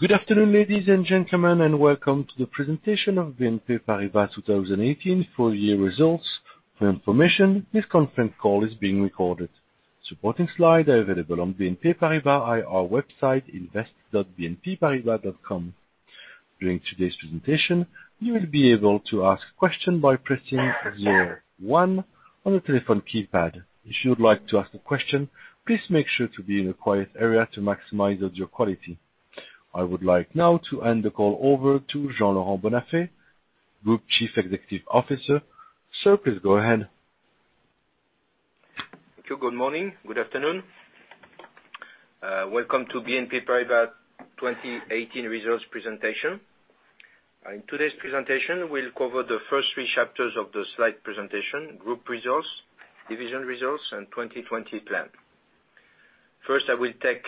Good afternoon, ladies and gentlemen, welcome to the presentation of BNP Paribas 2018 full year results. For information, this conference call is being recorded. Supporting slides are available on BNP Paribas IR website, invest.bnpparibas.com. During today's presentation, you will be able to ask questions by pressing zero one on your telephone keypad. If you would like to ask a question, please make sure to be in a quiet area to maximize the audio quality. I would like now to hand the call over to Jean-Laurent Bonnafé, Group Chief Executive Officer. Sir, please go ahead. Thank you. Good morning. Good afternoon. Welcome to BNP Paribas 2018 results presentation. In today's presentation, we'll cover the first three chapters of the slide presentation, group results, division results, and 2020 plan. First, I will take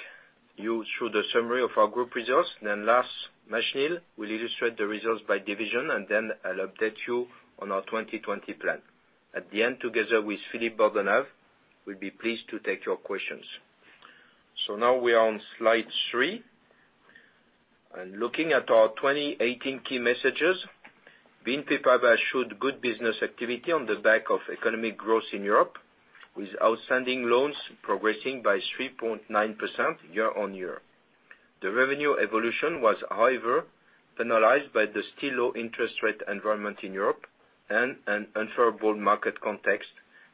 you through the summary of our group results, then Lars Machenil will illustrate the results by division, and then I'll update you on our 2020 plan. At the end, together with Philippe Bordenave, we'll be pleased to take your questions. Now we're on slide 3. Looking at our 2018 key messages, BNP Paribas showed good business activity on the back of economic growth in Europe, with outstanding loans progressing by 3.9% year-on-year. The revenue evolution was, however, penalized by the still low interest rate environment in Europe and an unfavorable market context,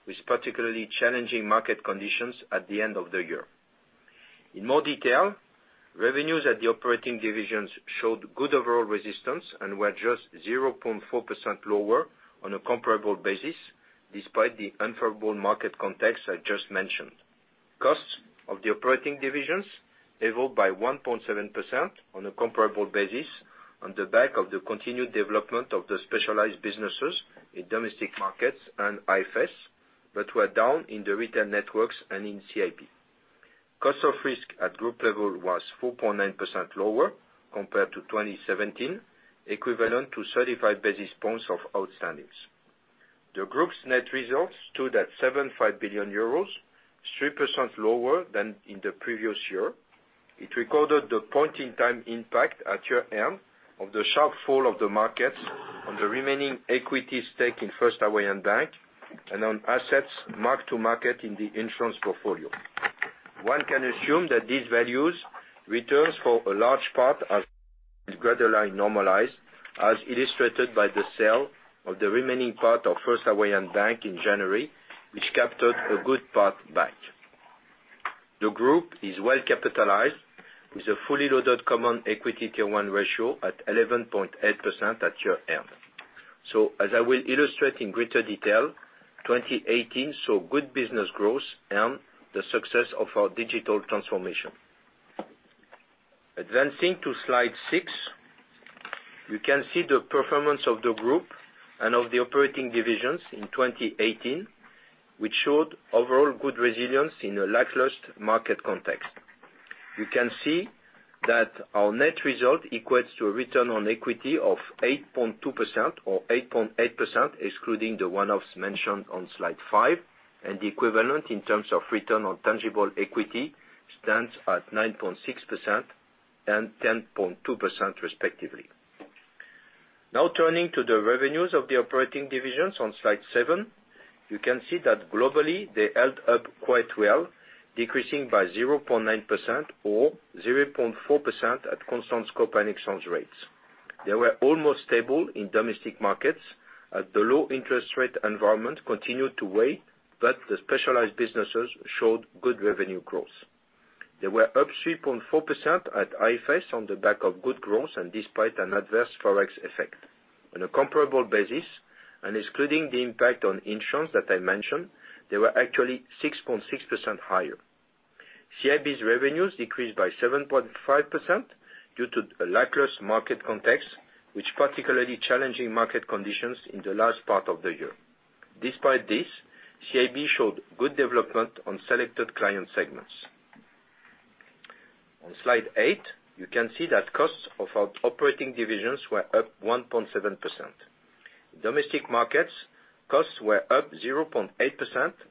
with particularly challenging market conditions at the end of the year. In more detail, revenues at the operating divisions showed good overall resistance and were just 0.4% lower on a comparable basis, despite the unfavorable market context I just mentioned. Costs of the operating divisions evolved by 1.7% on a comparable basis on the back of the continued development of the specialized businesses in Domestic Markets and IFS, but were down in the retail networks and in CIB. Cost of risk at group level was 4.9% lower compared to 2017, equivalent to 35 basis points of outstandings. The group's net results stood at 75 billion euros, 3% lower than in the previous year. It recorded the point-in-time impact at year-end of the sharp fall of the market on the remaining equity stake in First Hawaiian Bank and on assets mark to market in the insurance portfolio. One can assume that these values, returns for a large part have gradually normalized, as illustrated by the sale of the remaining part of First Hawaiian Bank in January, which captured a good part back. The group is well capitalized, with a fully loaded common equity tier-1 ratio at 11.8% at year-end. As I will illustrate in greater detail, 2018 saw good business growth and the success of our digital transformation. Advancing to slide six, you can see the performance of the group and of the operating divisions in 2018, which showed overall good resilience in a lackluster market context. You can see that our net result equates to a return on equity of 8.2% or 8.8%, excluding the one-offs mentioned on slide 5, and the equivalent in terms of return on tangible equity stands at 9.6% and 10.2% respectively. Turning to the revenues of the operating divisions on slide 7, you can see that globally, they held up quite well, decreasing by 0.9% or 0.4% at constant scope and exchange rates. They were almost stable in Domestic Markets as the low interest rate environment continued to weigh, but the specialized businesses showed good revenue growth. They were up 3.4% at IFS on the back of good growth and despite an adverse Forex effect. On a comparable basis and excluding the impact on insurance that I mentioned, they were actually 6.6% higher. CIB's revenues decreased by 7.5% due to a lackluster market context, with particularly challenging market conditions in the last part of the year. Despite this, CIB showed good development on selected client segments. On slide 8, you can see that costs of our operating divisions were up 1.7%. Domestic Markets costs were up 0.8%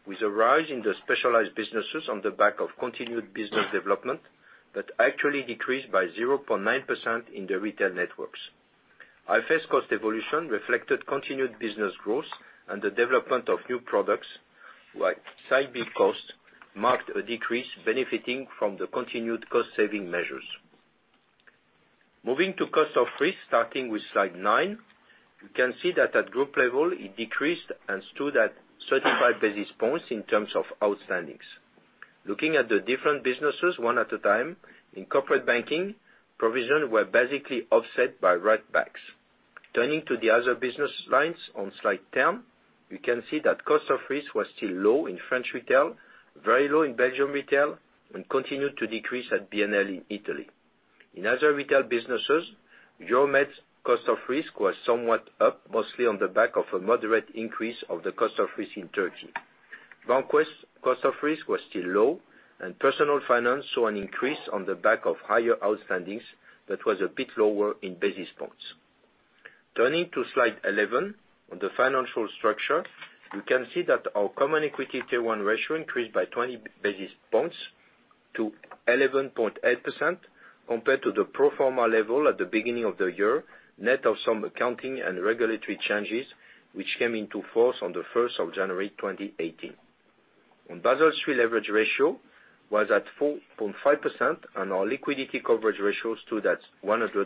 with a rise in the specialized businesses on the back of continued business development that actually decreased by 0.9% in the retail networks. IFS cost evolution reflected continued business growth and the development of new products, while CIB cost marked a decrease benefiting from the continued cost-saving measures. Moving to cost of risk, starting with slide nine, you can see that at group level, it decreased and stood at 35 basis points in terms of outstandings. Looking at the different businesses one at a time, in corporate banking, provisions were basically offset by write-backs. Turning to the other business lines on slide 10, we can see that cost of risk was still low in French retail, very low in Belgium retail, and continued to decrease at BNL in Italy. In other retail businesses, Geomet's cost of risk was somewhat up, mostly on the back of a moderate increase of the cost of risk in Turkey. BancWest cost of risk was still low, and Personal Finance saw an increase on the back of higher outstandings that was a bit lower in basis points. Turning to slide 11, on the financial structure, you can see that our common equity Tier 1 ratio increased by 20 basis points to 11.8% compared to the pro forma level at the beginning of the year, net of some accounting and regulatory changes, which came into force on the 1st of January 2018. Our Basel III leverage ratio was at 4.5%, and our liquidity coverage ratio stood at 132%.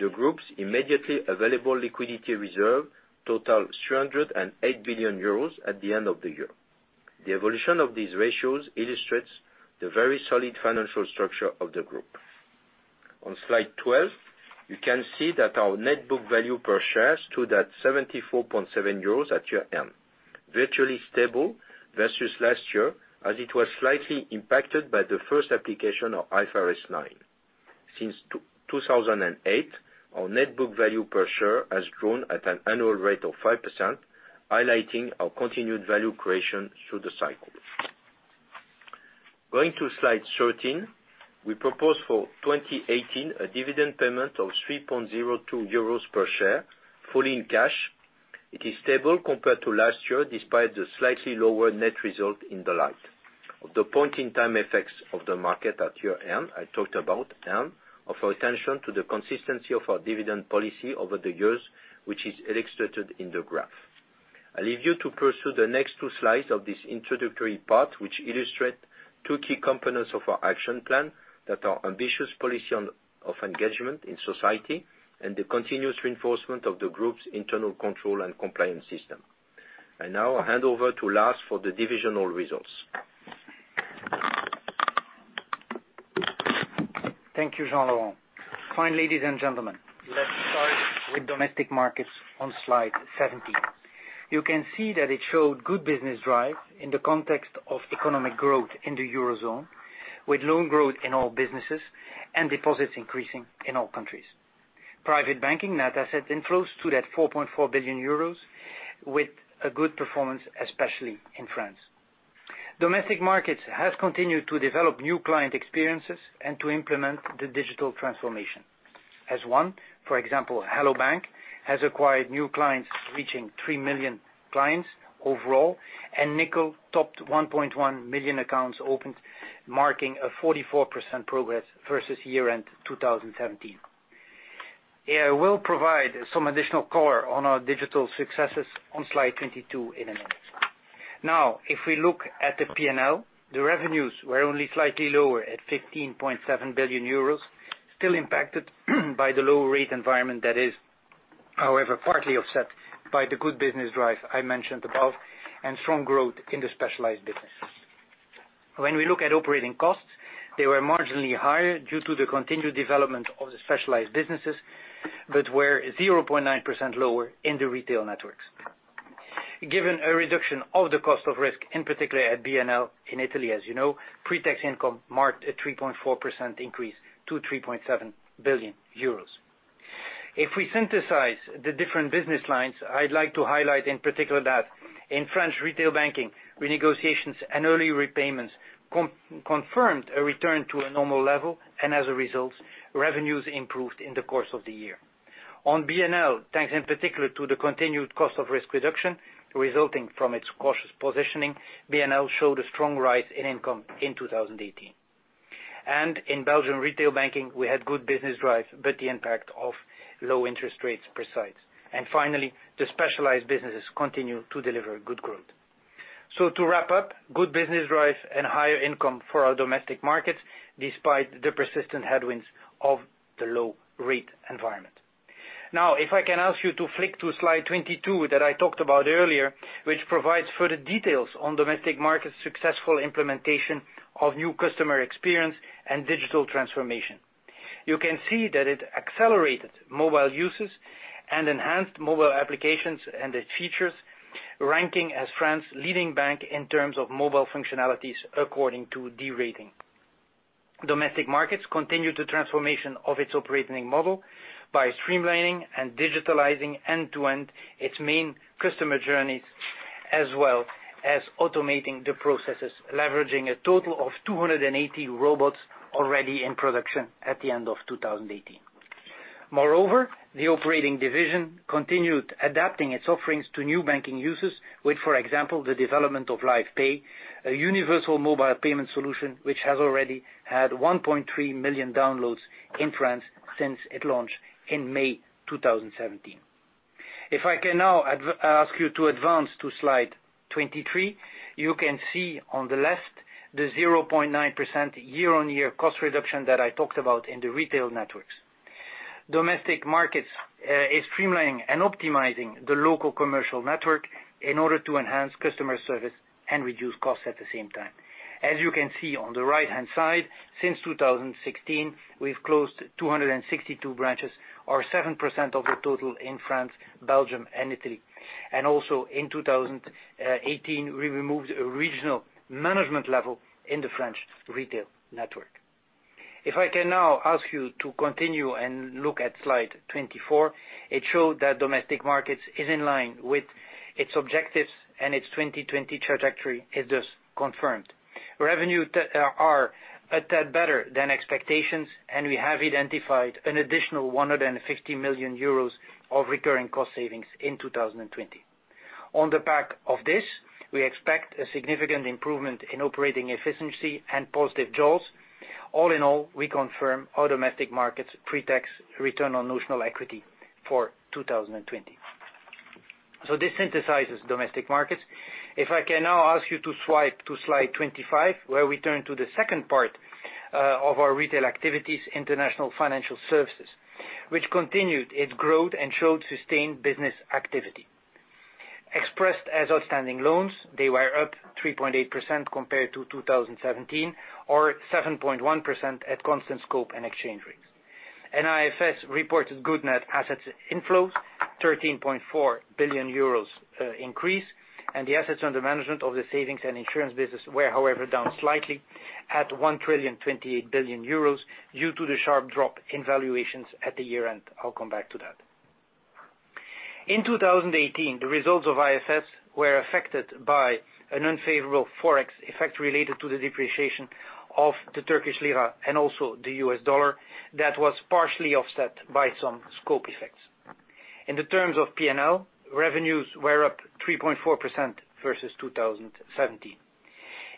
The group's immediately available liquidity reserve totaled 308 billion euros at the end of the year. The evolution of these ratios illustrates the very solid financial structure of the group. On slide 12, you can see that our net book value per share stood at 74.7 euros at year-end, virtually stable versus last year, as it was slightly impacted by the first application of IFRS 9. Since 2008, our net book value per share has grown at an annual rate of 5%, highlighting our continued value creation through the cycle. Going to slide 13, we propose for 2018 a dividend payment of 3.02 euros per share, fully in cash. It is stable compared to last year, despite the slightly lower net result in the light of the point-in-time effects of the market at year-end, I talked about them, of our attention to the consistency of our dividend policy over the years, which is illustrated in the graph. I leave you to pursue the next two slides of this introductory part, which illustrate two key components of our action plan that are ambitious policy of engagement in society and the continuous reinforcement of the group's internal control and compliance system. Now I hand over to Lars for the divisional results. Thank you, Jean-Laurent. Fine ladies and gentlemen, let's start with Domestic Markets on slide 17. You can see that it showed good business drive in the context of economic growth in the Eurozone, with loan growth in all businesses and deposits increasing in all countries. Private banking net asset inflows stood at 4.4 billion euros with a good performance, especially in France. Domestic Markets has continued to develop new client experiences and to implement the digital transformation. As one, for example, Hello bank! has acquired new clients, reaching 3 million clients overall, and Nickel topped 1.1 million accounts opened, marking a 44% progress versus year-end 2017. I will provide some additional color on our digital successes on slide 22 in a minute. If we look at the P&L, the revenues were only slightly lower at 15.7 billion euros, still impacted by the low rate environment that is, however, partly offset by the good business drive I mentioned above and strong growth in the specialized businesses. When we look at operating costs, they were marginally higher due to the continued development of the specialized businesses, but were 0.9% lower in the retail networks. Given a reduction of the cost of risk, in particular at BNL in Italy, as you know, pre-tax income marked a 3.4% increase to 3.7 billion euros. If we synthesize the different business lines, I'd like to highlight, in particular, that in French retail banking, renegotiations and early repayments confirmed a return to a normal level, as a result, revenues improved in the course of the year. On BNL, thanks in particular to the continued cost of risk reduction resulting from its cautious positioning, BNL showed a strong rise in income in 2018. In Belgian retail banking, we had good business drive, but the impact of low interest rates persist. Finally, the specialized businesses continue to deliver good growth. To wrap up, good business drive and higher income for our Domestic Markets, despite the persistent headwinds of the low rate environment. If I can ask you to flick to slide 22 that I talked about earlier, which provides further details on Domestic Market's successful implementation of new customer experience and digital transformation. You can see that it accelerated mobile uses and enhanced mobile applications and the features, ranking as France's leading bank in terms of mobile functionalities according to D-Rating. Domestic Markets continued the transformation of its operating model by streamlining and digitalizing end-to-end its main customer journeys, as well as automating the processes, leveraging a total of 280 robots already in production at the end of 2018. Moreover, the operating division continued adapting its offerings to new banking uses with, for example, the development of Lyf Pay, a universal mobile payment solution, which has already had 1.3 million downloads in France since it launched in May 2017. If I can now ask you to advance to slide 23, you can see on the left the 0.9% year-on-year cost reduction that I talked about in the retail networks. Domestic Markets is streamlining and optimizing the local commercial network in order to enhance customer service and reduce costs at the same time. As you can see on the right-hand side, since 2016, we've closed 262 branches or 7% of the total in France, Belgium, and Italy. Also in 2018, we removed a regional management level in the French retail network. If I can now ask you to continue and look at slide 24. It showed that Domestic Markets is in line with its objectives, and its 2020 trajectory is thus confirmed. Revenue are a tad better than expectations, we have identified an additional 150 million euros of recurring cost savings in 2020. On the back of this, we expect a significant improvement in operating efficiency and positive jaws. All in all, we confirm our Domestic Markets pre-tax return on nutshell equity for 2020. This synthesizes Domestic Markets. If I can now ask you to swipe to slide 25, where we turn to the second part of our retail activities, International Financial Services, which continued its growth and showed sustained business activity. Expressed as outstanding loans, they were up 3.8% compared to 2017, or 7.1% at constant scope and exchange rates. IFS reported good net assets inflows, 13.4 billion euros increase, and the assets under management of the savings and insurance business were, however, down slightly at 1.028 billion euros due to the sharp drop in valuations at the year-end. I'll come back to that. In 2018, the results of IFS were affected by an unfavorable Forex effect related to the depreciation of the Turkish lira and also the US dollar that was partially offset by some scope effects. In the terms of P&L, revenues were up 3.4% versus 2017.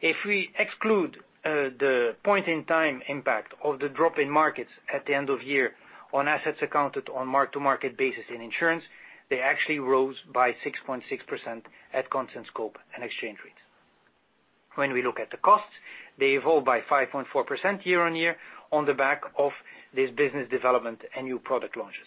If we exclude the point-in-time impact of the drop in markets at the end of year on assets accounted on mark-to-market basis in insurance, they actually rose by 6.6% at constant scope and exchange rates. When we look at the costs, they evolve by 5.4% year-on-year on the back of this business development and new product launches.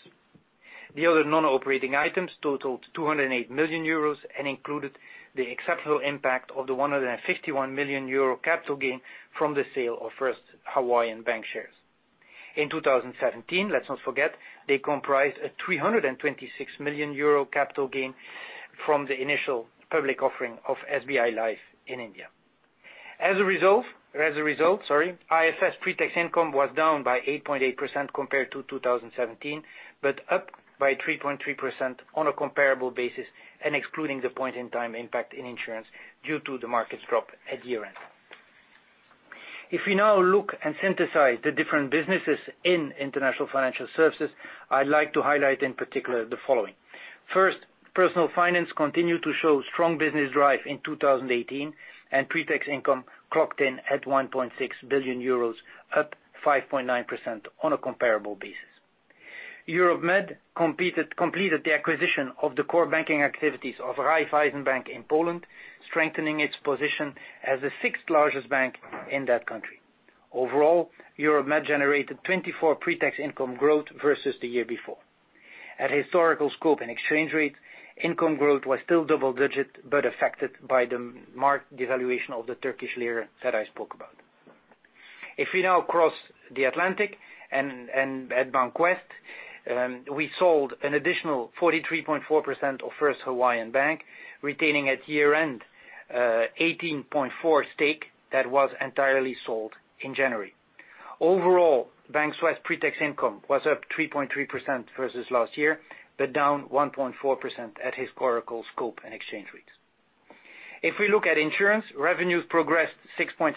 The other non-operating items totaled 208 million euros and included the exceptional impact of the 151 million euro capital gain from the sale of First Hawaiian Bank shares. In 2017, let's not forget, they comprised a 326 million euro capital gain from the initial public offering of SBI Life in India. As a result, IFS pre-tax income was down by 8.8% compared to 2017, but up by 3.3% on a comparable basis and excluding the point-in-time impact in insurance due to the markets drop at year-end. If we now look and synthesize the different businesses in International Financial Services, I'd like to highlight in particular the following. First, Personal Finance continued to show strong business drive in 2018, and pre-tax income clocked in at 1.6 billion euros, up 5.9% on a comparable basis. Europe Med completed the acquisition of the core banking activities of Raiffeisen Bank in Poland, strengthening its position as the sixth largest bank in that country. Overall, Europe Med generated 24% pre-tax income growth versus the year before. At historical scope and exchange rate, income growth was still double-digit but affected by the marked devaluation of the Turkish lira that I spoke about. If we now cross the Atlantic at BancWest, we sold an additional 43.4% of First Hawaiian Bank, retaining at year-end 18.4% stake that was entirely sold in January. Overall, BancWest pre-tax income was up 3.3% versus last year, down 1.4% at historical scope and exchange rates. If we look at insurance, revenues progressed 6.6%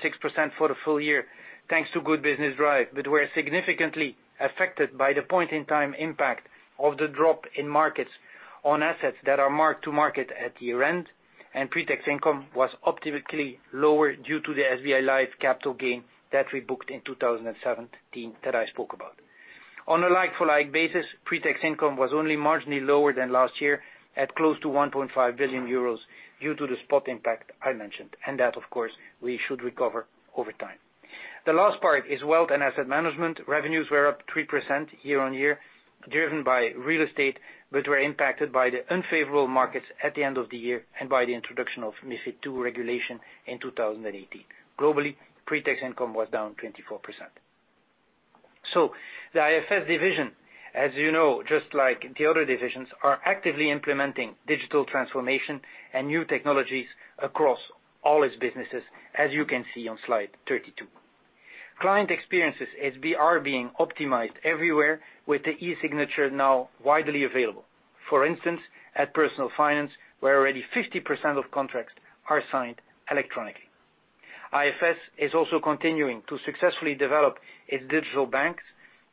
for the full year, thanks to good business drive, but were significantly affected by the point-in-time impact of the drop in markets on assets that are marked to market at year-end, and pre-tax income was optically lower due to the SBI Life capital gain that we booked in 2017 that I spoke about. On a like for like basis, pre-tax income was only marginally lower than last year at close to 1.5 billion euros due to the spot impact I mentioned. That, of course, we should recover over time. The last part is Wealth and Asset Management. Revenues were up 3% year-on-year, driven by real estate, but were impacted by the unfavorable markets at the end of the year and by the introduction of MiFID II regulation in 2018. Globally, pre-tax income was down 24%. The IFS division, as you know, just like the other divisions, are actively implementing digital transformation and new technologies across all its businesses, as you can see on slide 32. Client experiences as we are being optimized everywhere with the e-signature now widely available. For instance, at Personal Finance, where already 50% of contracts are signed electronically. IFS is also continuing to successfully develop its digital banks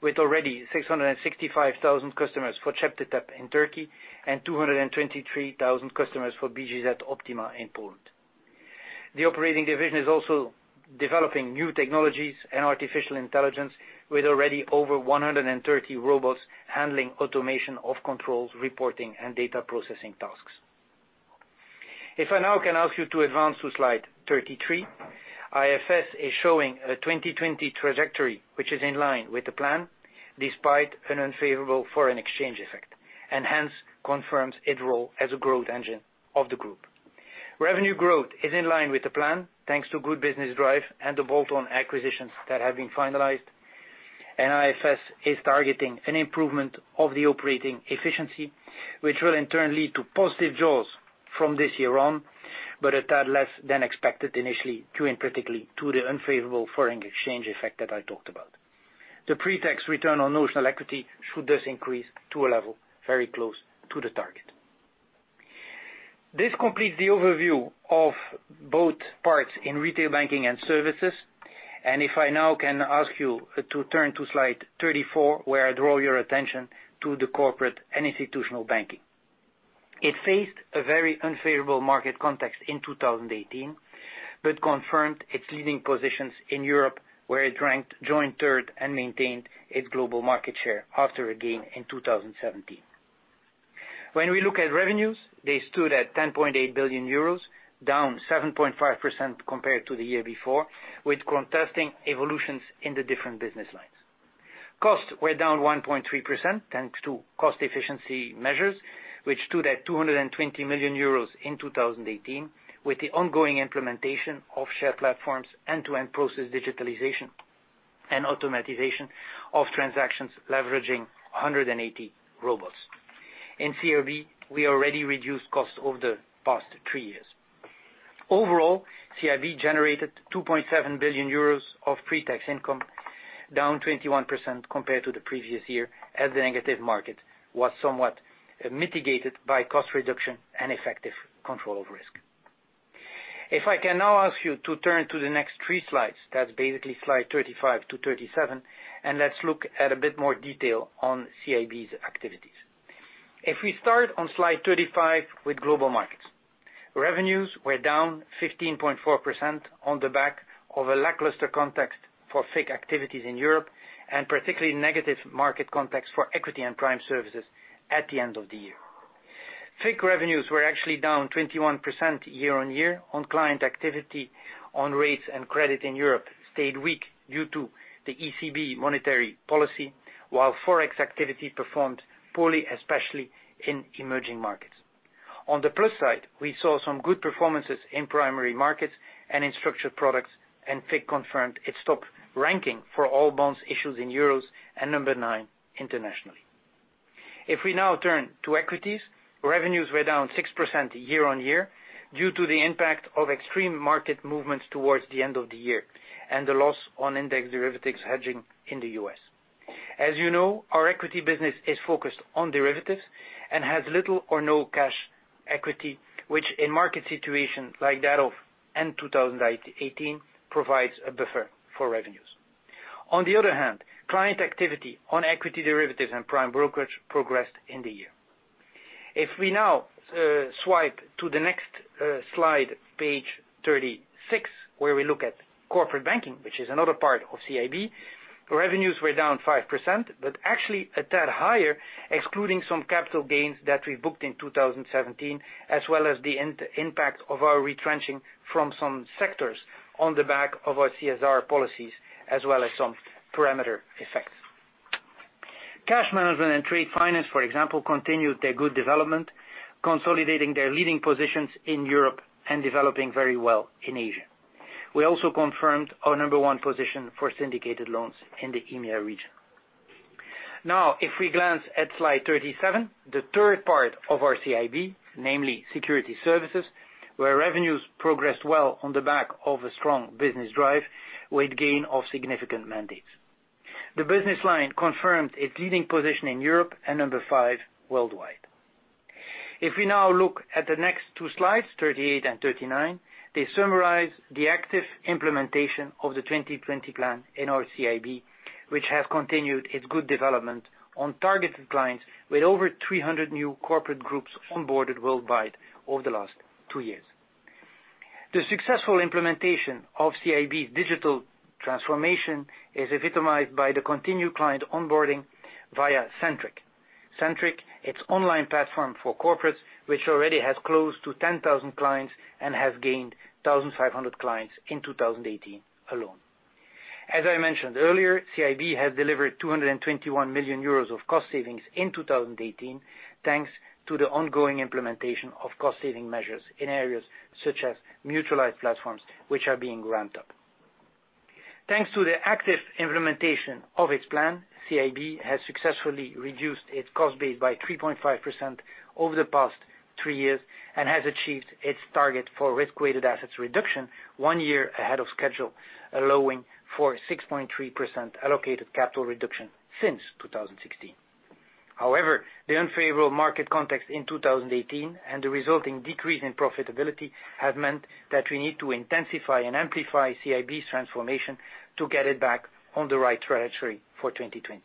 with already 665,000 customers for CEPTETEB in Turkey and 223,000 customers for BGŻ Optima in Poland. The operating division is also developing new technologies and artificial intelligence with already over 130 robots handling automation of controls, reporting, and data processing tasks. If I now can ask you to advance to slide 33, IFS is showing a 2020 trajectory which is in line with the plan, despite an unfavorable foreign exchange effect, hence confirms its role as a growth engine of the group. Revenue growth is in line with the plan, thanks to good business drive and the bolt-on acquisitions that have been finalized. IFS is targeting an improvement of the operating efficiency, which will in turn lead to positive jaws from this year on, but a tad less than expected initially due, and particularly, to the unfavorable foreign exchange effect that I talked about. The pre-tax return on notional equity should thus increase to a level very close to the target. This completes the overview of both parts in retail banking and services. If I now can ask you to turn to slide 34, where I draw your attention to the Corporate and Institutional Banking. It faced a very unfavorable market context in 2018, but confirmed its leading positions in Europe, where it ranked joint third and maintained its global market share after a gain in 2017. When we look at revenues, they stood at 10.8 billion euros, down 7.5% compared to the year before, with contrasting evolutions in the different business lines. Costs were down 1.3%, thanks to cost efficiency measures, which stood at 220 million euros in 2018, with the ongoing implementation of shared platforms, end-to-end process digitalization and automatization of transactions leveraging 180 robots. In CIB, we already reduced costs over the past three years. Overall, CIB generated 2.7 billion euros of pre-tax income, down 21% compared to the previous year, as the negative market was somewhat mitigated by cost reduction and effective control of risk. If I can now ask you to turn to the next three slides, that is basically slide 35 to 37, let's look at a bit more detail on CIB's activities. If we start on slide 35 with Global Markets. Revenues were down 15.4% on the back of a lackluster context for FICC activities in Europe, particularly negative market context for equity and prime services at the end of the year. FICC revenues were actually down 21% year-on-year on client activity on rates, credit in Europe stayed weak due to the ECB monetary policy, while Forex activity performed poorly, especially in emerging markets. On the plus side, we saw some good performances in primary markets and in structured products, FICC confirmed its top ranking for all bonds issued in EUR, number 9 internationally. If we now turn to equities, revenues were down 6% year-on-year due to the impact of extreme market movements towards the end of the year, the loss on index derivatives hedging in the U.S. As you know, our equity business is focused on derivatives and has little or no cash equity, which in market situations like that of end 2018 provides a buffer for revenues. On the other hand, client activity on equity derivatives and prime brokerage progressed in the year. If we now swipe to the next slide, page 36, where we look at Corporate Banking, which is another part of CIB, revenues were down 5%, actually a tad higher, excluding some capital gains that we booked in 2017, as well as the impact of our retrenching from some sectors on the back of our CSR policies, some parameter effects. Cash Management and Trade Finance, for example, continued their good development, consolidating their leading positions in Europe and developing very well in Asia. We also confirmed our number one position for syndicated loans in the EMEA region. If we glance at slide 37, the third part of our CIB, namely Security Services, where revenues progressed well on the back of a strong business drive with gain of significant mandates. The business line confirmed its leading position in Europe, number 5 worldwide. If we now look at the next two slides, 38 and 39, they summarize the active implementation of the 2020 plan in our CIB, which has continued its good development on targeted clients with over 300 new corporate groups onboarded worldwide over the last two years. The successful implementation of CIB's digital transformation is epitomized by the continued client onboarding via Centric. Centric, its online platform for corporates, which already has close to 10,000 clients and has gained 1,500 clients in 2018 alone. As I mentioned earlier, CIB has delivered 221 million euros of cost savings in 2018, thanks to the ongoing implementation of cost saving measures in areas such as mutualized platforms, which are being ramped up. Thanks to the active implementation of its plan, CIB has successfully reduced its cost base by 3.5% over the past three years and has achieved its target for risk-weighted assets reduction one year ahead of schedule, allowing for 6.3% allocated capital reduction since 2016. The unfavorable market context in 2018 and the resulting decrease in profitability have meant that we need to intensify and amplify CIB's transformation to get it back on the right trajectory for 2020.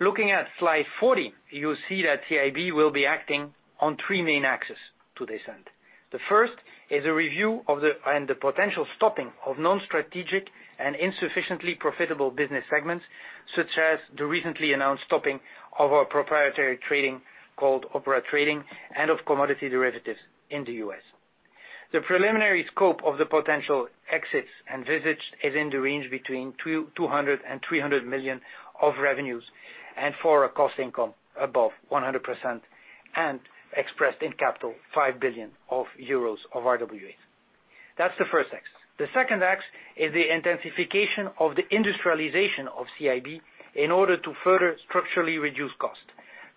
Looking at slide 40, you'll see that CIB will be acting on three main axes to this end. The first is a review and the potential stopping of non-strategic and insufficiently profitable business segments, such as the recently announced stopping of our proprietary trading called Opera Trading and of commodity derivatives in the U.S. The preliminary scope of the potential exits and vivits is in the range between 200 million and 300 million of revenues, and for a cost income above 100%, and expressed in capital 5 billion euros of RWA. That's the first axis. The second axis is the intensification of the industrialization of CIB in order to further structurally reduce cost,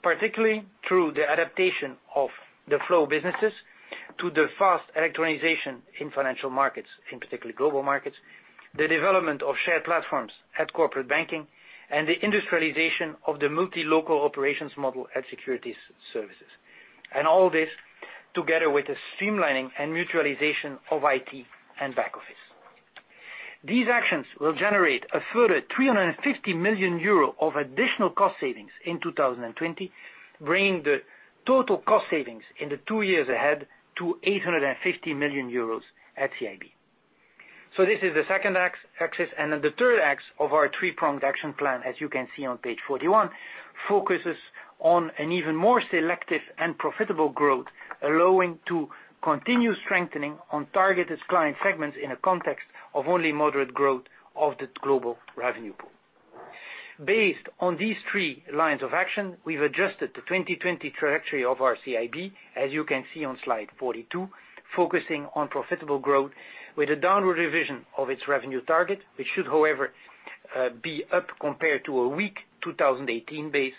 particularly through the adaptation of the flow businesses to the fast electronization in financial markets, in particular global markets, the development of shared platforms at corporate banking, and the industrialization of the multi-local operations model at securities services. All this together with a streamlining and mutualization of IT and back office. These actions will generate a further 350 million euro of additional cost savings in 2020, bringing the total cost savings in the two years ahead to 850 million euros at CIB. This is the second axis, the third axis of our three-pronged action plan, as you can see on page 41, focuses on an even more selective and profitable growth, allowing to continue strengthening on targeted client segments in a context of only moderate growth of the global revenue pool. Based on these three lines of action, we've adjusted the 2020 trajectory of our CIB, as you can see on slide 42, focusing on profitable growth with a downward revision of its revenue target, which should, however, be up compared to a weak 2018 base,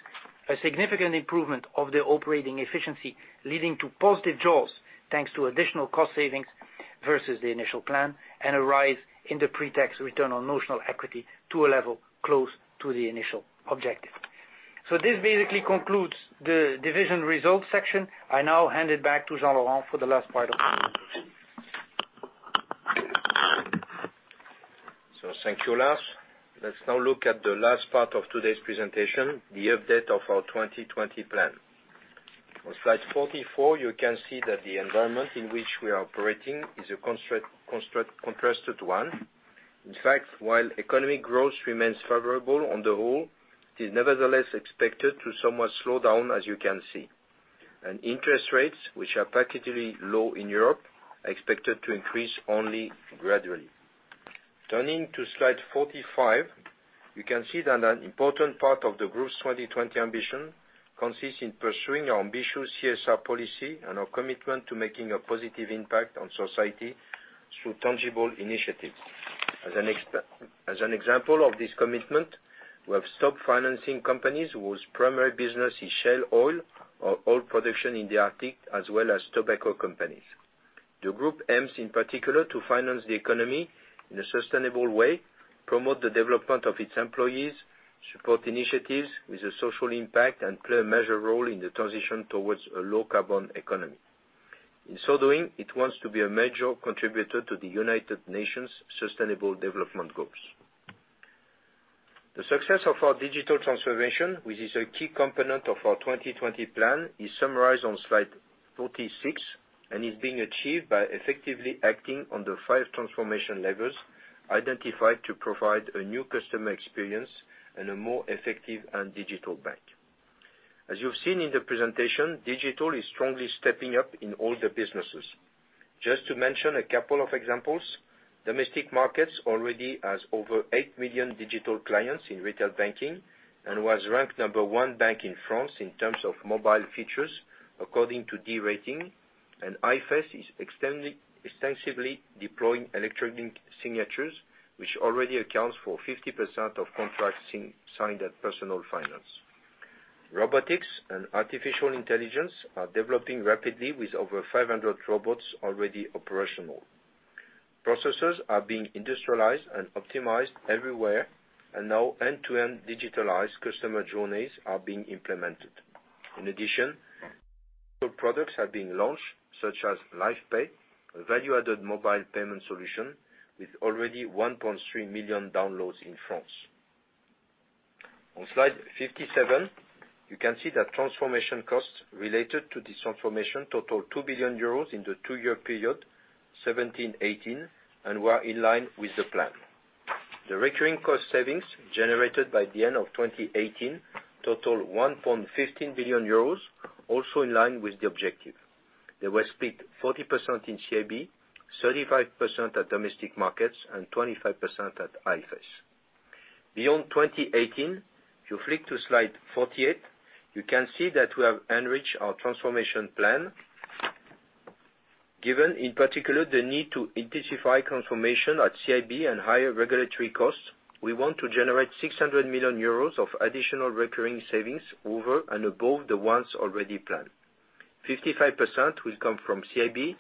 a significant improvement of the operating efficiency, leading to positive jaws, thanks to additional cost savings versus the initial plan, and a rise in the pre-tax return on notional equity to a level close to the initial objective. This basically concludes the division results section. I now hand it back to Jean-Laurent for the last part of the presentation. Thank you, Lars. Let's now look at the last part of today's presentation, the update of our 2020 plan. On slide 44, you can see that the environment in which we are operating is a contrasted one. In fact, while economic growth remains favorable on the whole, it is nevertheless expected to somewhat slow down, as you can see. Interest rates, which are particularly low in Europe, are expected to increase only gradually. Turning to slide 45, you can see that an important part of the group's 2020 ambition consists in pursuing our ambitious CSR policy and our commitment to making a positive impact on society through tangible initiatives. As an example of this commitment, we have stopped financing companies whose primary business is shale oil or oil production in the Arctic, as well as tobacco companies. The group aims, in particular, to finance the economy in a sustainable way, promote the development of its employees, support initiatives with a social impact, and play a major role in the transition towards a low-carbon economy. In so doing, it wants to be a major contributor to the United Nations Sustainable Development Goals. The success of our digital transformation, which is a key component of our 2020 plan, is summarized on slide 46 and is being achieved by effectively acting on the five transformation levers identified to provide a new customer experience and a more effective and digital bank. As you've seen in the presentation, digital is strongly stepping up in all the businesses. Just to mention a couple of examples, Domestic Markets already has over 8 million digital clients in retail banking and was ranked number 1 bank in France in terms of mobile features, according to D-Rating. IFS is extensively deploying electronic signatures, which already accounts for 50% of contracts signed at Personal Finance. Robotics and artificial intelligence are developing rapidly with over 500 robots already operational. Processes are being industrialized and optimized everywhere. Now end-to-end digitalized customer journeys are being implemented. In addition, products have been launched, such as Lyf Pay, a value-added mobile payment solution with already 1.3 million downloads in France. On slide 57, you can see that transformation costs related to this transformation total 2 billion euros in the two-year period 2017, 2018, and were in line with the plan. The recurring cost savings generated by the end of 2018 total 1.15 billion euros, also in line with the objective. They were split 40% in CIB, 35% at Domestic Markets, and 25% at IFS. Beyond 2018, if you flick to slide 48, you can see that we have enriched our transformation plan. Given, in particular, the need to intensify transformation at CIB and higher regulatory costs, we want to generate 600 million euros of additional recurring savings over and above the ones already planned. 55% will come from CIB,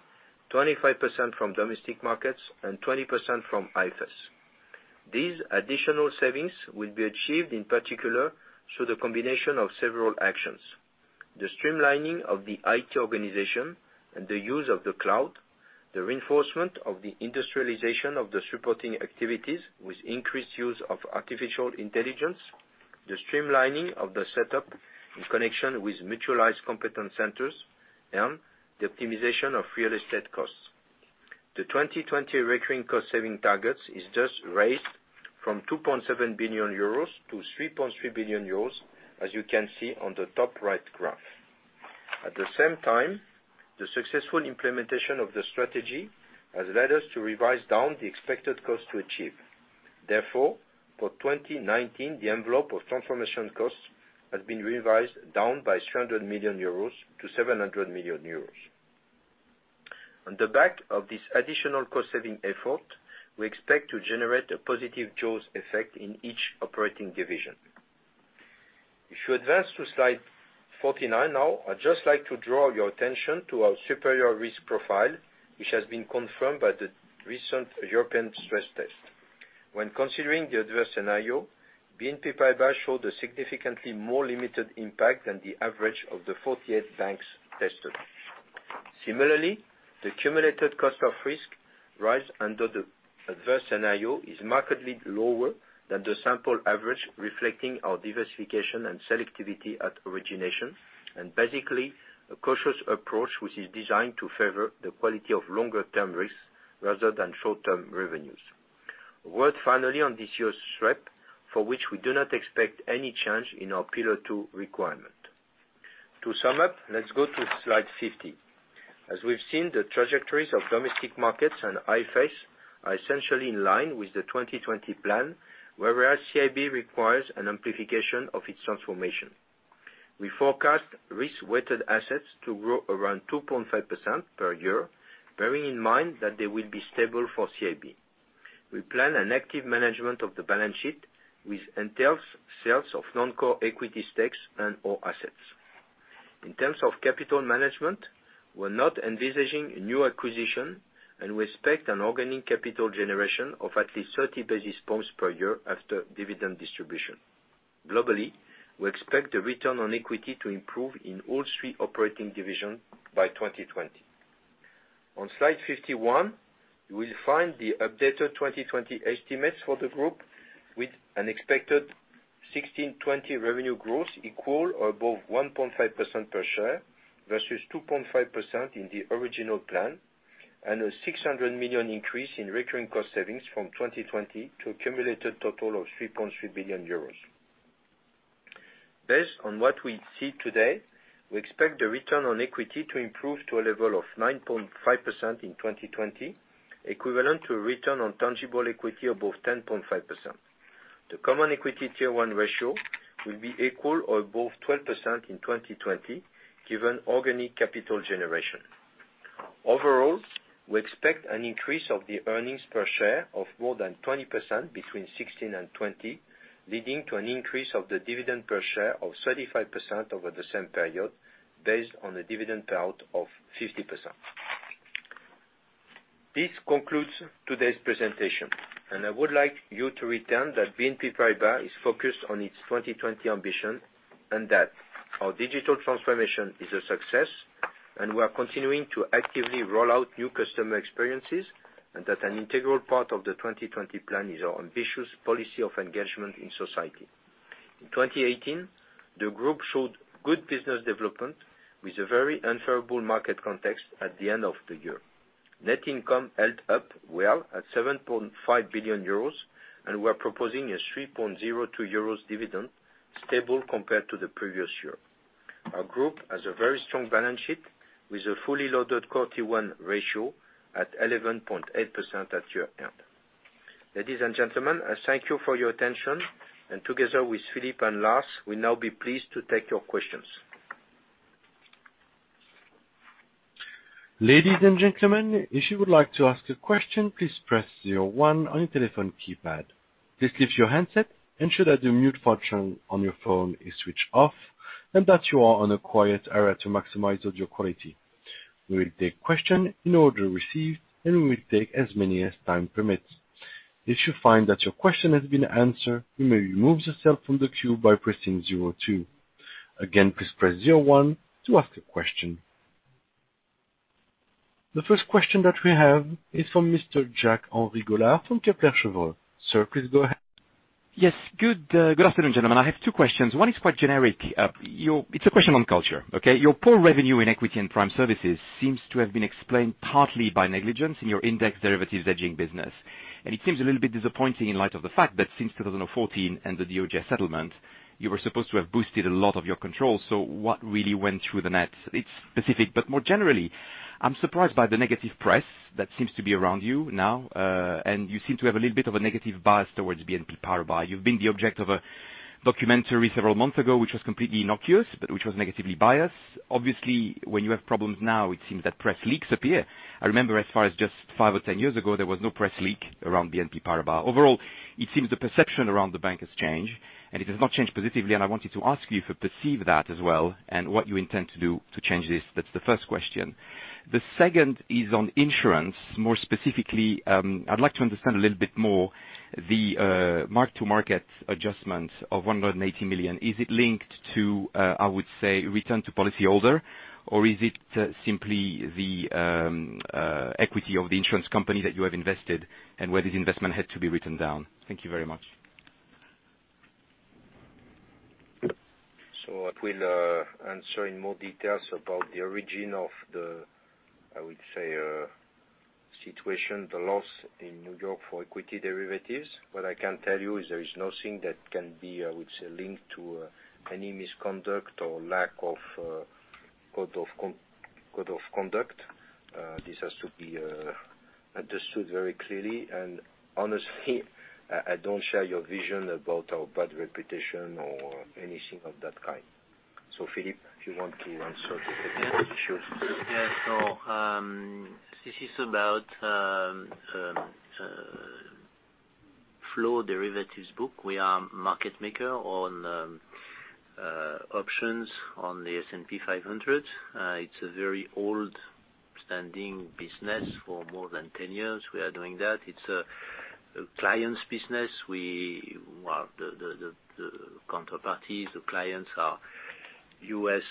25% from Domestic Markets, and 20% from IFS. These additional savings will be achieved in particular through the combination of several actions. The streamlining of the IT organization and the use of the cloud, the reinforcement of the industrialization of the supporting activities with increased use of artificial intelligence, the streamlining of the setup in connection with mutualized competence centers, and the optimization of real estate costs. The 2020 recurring cost-saving targets is just raised from 2.7 billion euros to 3.3 billion euros, as you can see on the top right graph. At the same time, the successful implementation of the strategy has led us to revise down the expected cost to achieve. Therefore, for 2019, the envelope of transformation costs has been revised down by 300 million euros to 700 million euros. On the back of this additional cost-saving effort, we expect to generate a positive jaws effect in each operating division. If you advance to slide 49 now, I'd just like to draw your attention to our superior risk profile, which has been confirmed by the recent European stress test. When considering the adverse scenario, BNP Paribas showed a significantly more limited impact than the average of the 48 banks tested. Similarly, the cumulative cost of risk rise under the adverse scenario is markedly lower than the sample average, reflecting our diversification and selectivity at origination, and basically a cautious approach, which is designed to favor the quality of longer-term risks, rather than short-term revenues. A word finally on this year's SREP, for which we do not expect any change in our Pillar 2 requirement. To sum up, let's go to slide 50. As we've seen, the trajectories of Domestic Markets and IFRS are essentially in line with the 2020 plan, whereas CIB requires an amplification of its transformation. We forecast Risk-Weighted Assets to grow around 2.5% per year, bearing in mind that they will be stable for CIB. We plan an active management of the balance sheet, which entails sales of non-core equity stakes and/or assets. In terms of capital management, we're not envisaging a new acquisition, and we expect an organic capital generation of at least 30 basis points per year after dividend distribution. Globally, we expect the return on equity to improve in all three operating divisions by 2020. On slide 51, you will find the updated 2020 estimates for the group, with an expected 16/20 revenue growth equal or above 1.5% per share versus 2.5% in the original plan, and a 600 million increase in recurring cost savings from 2020 to a cumulative total of 3.3 billion euros. Based on what we see today, we expect the return on equity to improve to a level of 9.5% in 2020, equivalent to a return on tangible equity above 10.5%. The common equity Tier 1 ratio will be equal or above 12% in 2020, given organic capital generation. Overall, we expect an increase of the earnings per share of more than 20% between 2016 and 2020, leading to an increase of the dividend per share of 35% over the same period, based on a dividend payout of 50%. This concludes today's presentation. I would like you to retain that BNP Paribas is focused on its 2020 ambition, and that our digital transformation is a success, and we are continuing to actively roll out new customer experiences, and that an integral part of the 2020 plan is our ambitious policy of engagement in society. In 2018, the group showed good business development with a very unfavorable market context at the end of the year. Net income held up well at 7.5 billion euros, and we're proposing a 3.02 euros dividend, stable compared to the previous year. Our group has a very strong balance sheet, with a fully loaded Core Tier 1 ratio at 11.8% at year-end. Ladies and gentlemen, I thank you for your attention. Together with Philippe and Lars, we'll now be pleased to take your questions. Ladies and gentlemen, if you would like to ask a question, please press zero one on your telephone keypad. This leaves your handset, ensure that the mute function on your phone is switched off, and that you are on a quiet area to maximize audio quality. We will take questions in the order received, and we will take as many as time permits. If you find that your question has been answered, you may remove yourself from the queue by pressing zero two. Again, please press zero one to ask a question. The first question that we have is from Mr. Jacques-Henri Gaulard from Kepler Cheuvreux. Sir, please go ahead. Yes. Good afternoon, gentlemen. I have two questions. One is quite generic. It's a question on culture. Okay? Your poor revenue in equity and prime services seems to have been explained partly by negligence in your index derivatives hedging business. It seems a little bit disappointing in light of the fact that since 2014 and the DOJ settlement, you were supposed to have boosted a lot of your control. What really went through the net? It's specific, but more generally, I'm surprised by the negative press that seems to be around you now. You seem to have a little bit of a negative bias towards BNP Paribas. You've been the object of a documentary several months ago, which was completely innocuous, but which was negatively biased. Obviously, when you have problems now, it seems that press leaks appear. I remember as far as just five or 10 years ago, there was no press leak around BNP Paribas. Overall, it seems the perception around the bank has changed, and it has not changed positively, and I wanted to ask you if you perceive that as well, and what you intend to do to change this. That's the first question. The second is on insurance. More specifically, I'd like to understand a little bit more the mark-to-market adjustment of 180 million. Is it linked to, I would say, return to policyholder, or is it simply the equity of the insurance company that you have invested and where this investment had to be written down? Thank you very much. I will answer in more details about the origin of the, I would say, situation, the loss in New York for equity derivatives. What I can tell you is there is nothing that can be, I would say, linked to any misconduct or lack of Code of conduct. This has to be understood very clearly and honestly, I don't share your vision about our bad reputation or anything of that kind. Philippe, if you want to answer the technical issues. Yes. This is about flow derivatives book. We are market maker on options on the S&P 500. It's a very old standing business for more than 10 years, we are doing that. It's a client's business. The counterparties, the clients are U.S.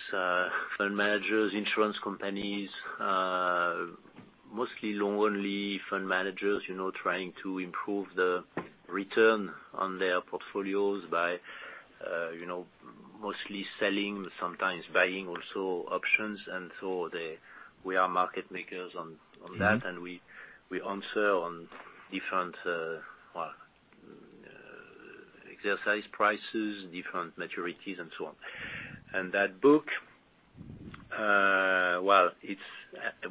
fund managers, insurance companies, mostly long-only fund managers trying to improve the return on their portfolios by mostly selling, sometimes buying also options. We are market makers on that, and we answer on different exercise prices, different maturities and so on. That book,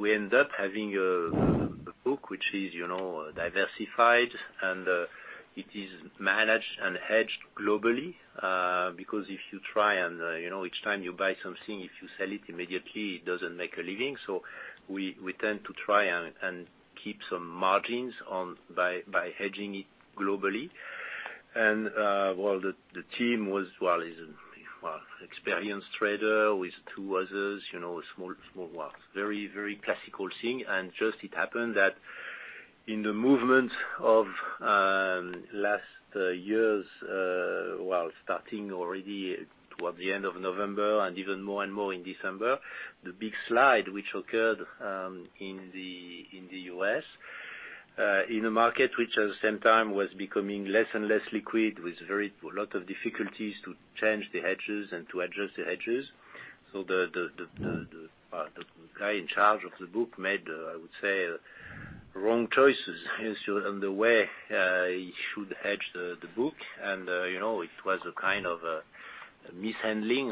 we end up having a book which is diversified, and it is managed and hedged globally. Because if you try and each time you buy something, if you sell it immediately, it doesn't make a living. We tend to try and keep some margins by hedging it globally. Well, the team was an experienced trader with two others, a small, very classical thing. Just it happened that in the movement of last years, well, starting already towards the end of November and even more and more in December, the big slide which occurred in the U.S., in a market which at the same time was becoming less and less liquid, with a lot of difficulties to change the hedges and to adjust the hedges. The guy in charge of the book made, I would say, wrong choices on the way he should hedge the book. It was a kind of a mishandling,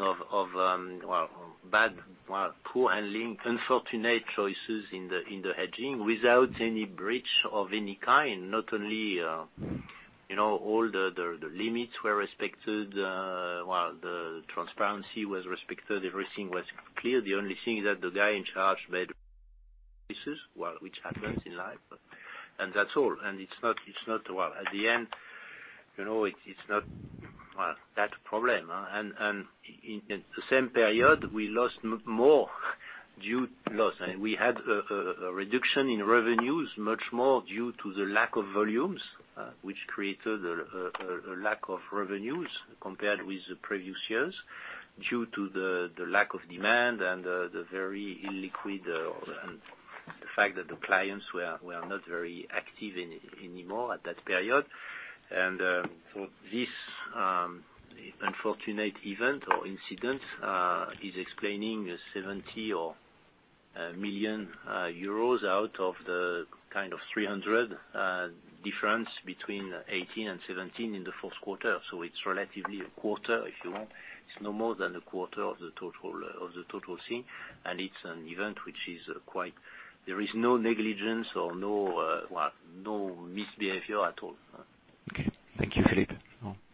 poor handling, unfortunate choices in the hedging without any breach of any kind. Not only all the limits were respected, well, the transparency was respected, everything was clear. The only thing is that the guy in charge made. Which happens in life, and that's all. At the end, it's not that problem. In the same period, we lost more due loss. We had a reduction in revenues, much more due to the lack of volumes, which created a lack of revenues compared with the previous years due to the lack of demand and the very illiquid, and the fact that the clients were not very active anymore at that period. This unfortunate event or incident is explaining 70 odd million EUR out of the kind of 300 EUR difference between 2018 and 2017 in the fourth quarter. It's relatively a quarter, if you want. It's no more than a quarter of the total thing. It's an event which is quite, there is no negligence or no misbehavior at all. Okay. Thank you, Philippe.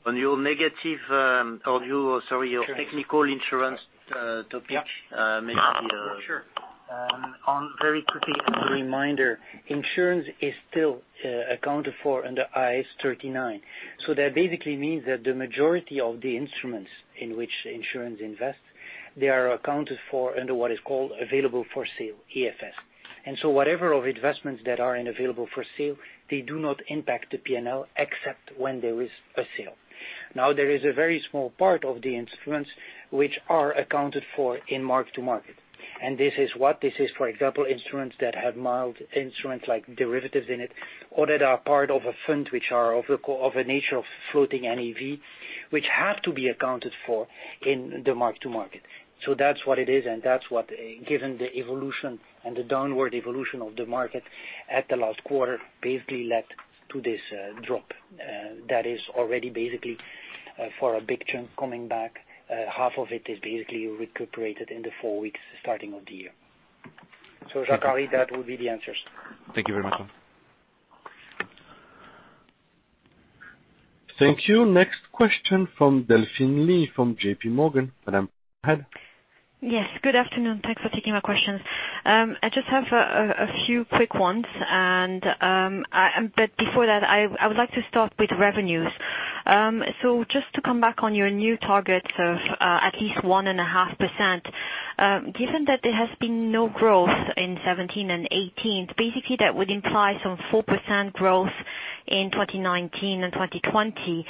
On your negative, or your technical insurance topic. Yeah. Maybe- Sure. Very quickly, as a reminder, insurance is still accounted for under IAS 39. That basically means that the majority of the instruments in which insurance invest, they are accounted for under what is called available for sale, AFS. Whatever of investments that are available for sale, they do not impact the P&L except when there is a sale. Now, there is a very small part of the instruments which are accounted for in mark-to-market. This is what? This is, for example, instruments that have hybrid instruments like derivatives in it, or that are part of a fund, which are of a nature of floating NAV, which have to be accounted for in the mark-to-market. That's what it is, and that's what, given the evolution and the downward evolution of the market at the last quarter, basically led to this drop. That is already basically for a big chunk coming back, half of it is basically recuperated in the four weeks starting of the year. Jacques-Henri, that will be the answers. Thank you very much. Thank you. Next question from Delphine Lee, from JPMorgan. Madame, go ahead. Yes. Good afternoon. Thanks for taking my questions. I just have a few quick ones. Before that, I would like to start with revenues. Just to come back on your new targets of at least 1.5%. Given that there has been no growth in 2017 and 2018, basically that would imply some 4% growth in 2019 and 2020.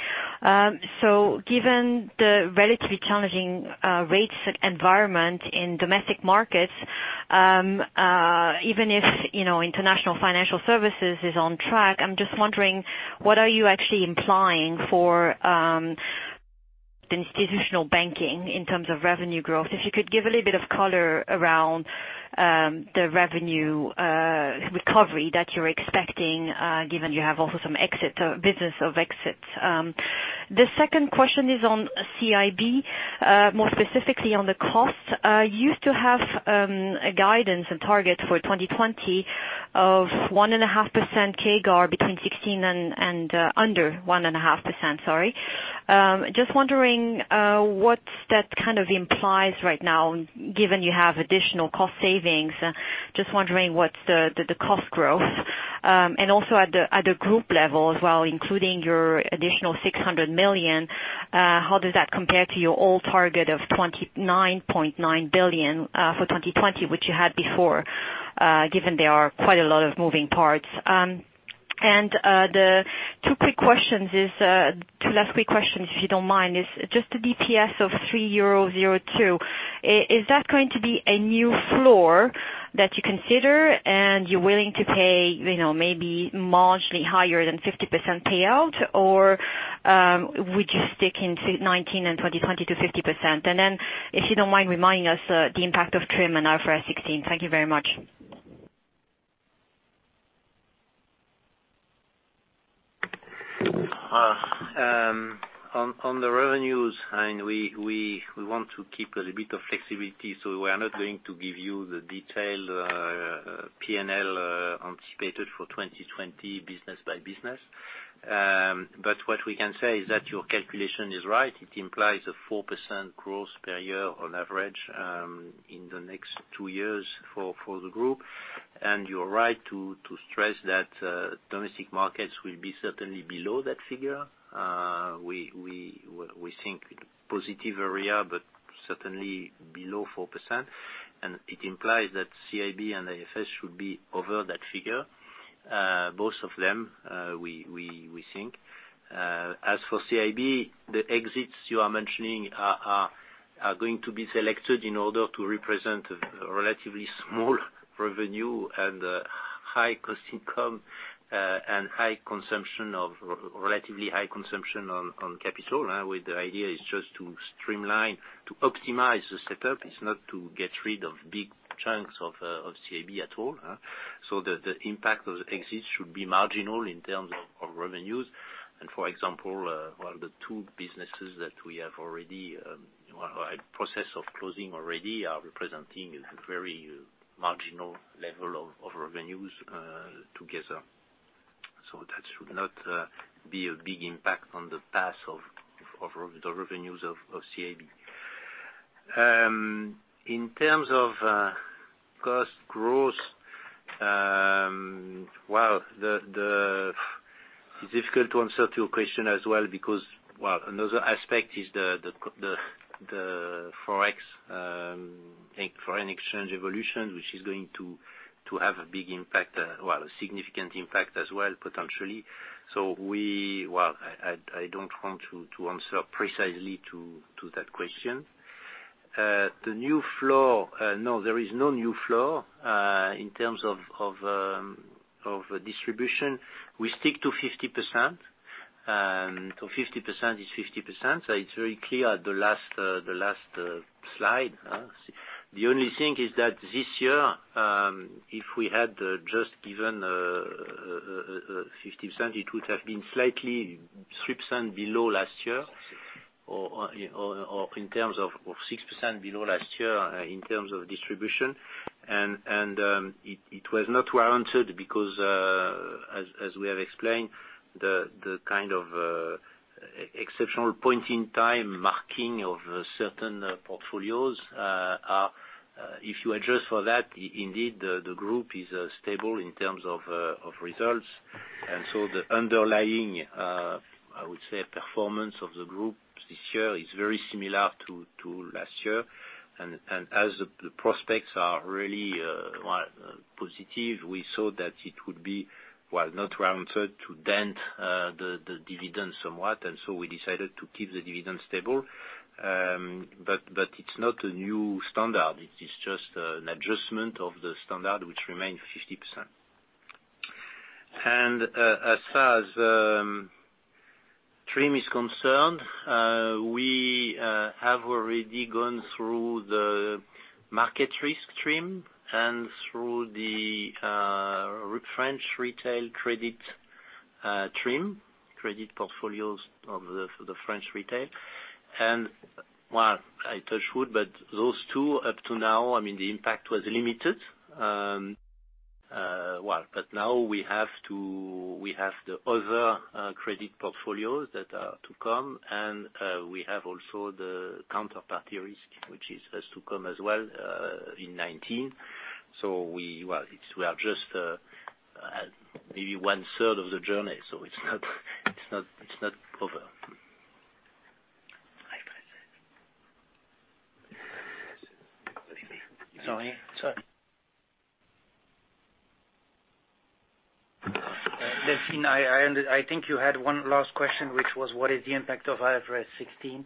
Given the relatively challenging rates environment in Domestic Markets, even if International Financial Services is on track, I'm just wondering, what are you actually implying for the institutional banking in terms of revenue growth? If you could give a little bit of color around the revenue recovery that you're expecting, given you have also some business of exits. The second question is on CIB, more specifically on the costs. You used to have a guidance and target for 2020 of 1.5% CAGR between 16 and under 1.5%, sorry. Just wondering what that kind of implies right now, given you have additional cost savings. Just wondering what's the cost growth. Also at the group level as well, including your additional 600 million, how does that compare to your old target of 29.9 billion for 2020, which you had before, given there are quite a lot of moving parts. The two last quick questions, if you don't mind, is just the DPS of 3.02 euro. Is that going to be a new floor that you consider and you're willing to pay maybe marginally higher than 50% payout, or would you stick in 2019 and 2020 to 50%? Then, if you don't mind reminding us the impact of TRIM and IFRS 16. Thank you very much. On the revenues, we want to keep a little bit of flexibility, so we are not going to give you the detailed P&L anticipated for 2020 business by business. What we can say is that your calculation is right. It implies a 4% growth per year on average in the next two years for the group. You're right to stress that Domestic Markets will be certainly below that figure. We think positive area, but certainly below 4%. It implies that CIB and IFS should be over that figure, both of them, we think. As for CIB, the exits you are mentioning are going to be selected in order to represent a relatively small revenue and high cost income, and relatively high consumption on capital, with the idea is just to streamline, to optimize the setup. It's not to get rid of big chunks of CIB at all. The impact of the exits should be marginal in terms of revenues. For example, well, the two businesses that we have a process of closing already are representing a very marginal level of revenues together. That should not be a big impact on the path of the revenues of CIB. In terms of cost growth, well, it's difficult to answer to your question as well because, well, another aspect is the Forex foreign exchange evolution, which is going to have a big impact, well, a significant impact as well, potentially. I don't want to answer precisely to that question. The new floor, no, there is no new floor in terms of distribution. We stick to 50%. 50% is 50%, it's very clear, the last slide. The only thing is that this year, if we had just given 50%, it would have been slightly 6% below last year, or in terms of 6% below last year in terms of distribution. It was not warranted because as we have explained, the kind of exceptional point in time marking of certain portfolios are, if you adjust for that, indeed the group is stable in terms of results. The underlying, I would say, performance of the group this year is very similar to last year. As the prospects are really positive, we saw that it would be, well, not warranted to dent the dividend somewhat, so we decided to keep the dividend stable. It's not a new standard, it is just an adjustment of the standard, which remains 50%. As far as TRIM is concerned, we have already gone through the market risk TRIM and through the French retail credit TRIM, credit portfolios of the French retail. Well, I touch wood, but those two up to now, the impact was limited. Now we have the other credit portfolios that are to come, and we have also the counterparty risk, which has to come as well in 2019. We are just maybe one-third of the journey, so it's not over. Sorry. Sorry. Delphine, I think you had one last question, which was what is the impact of IFRS 16?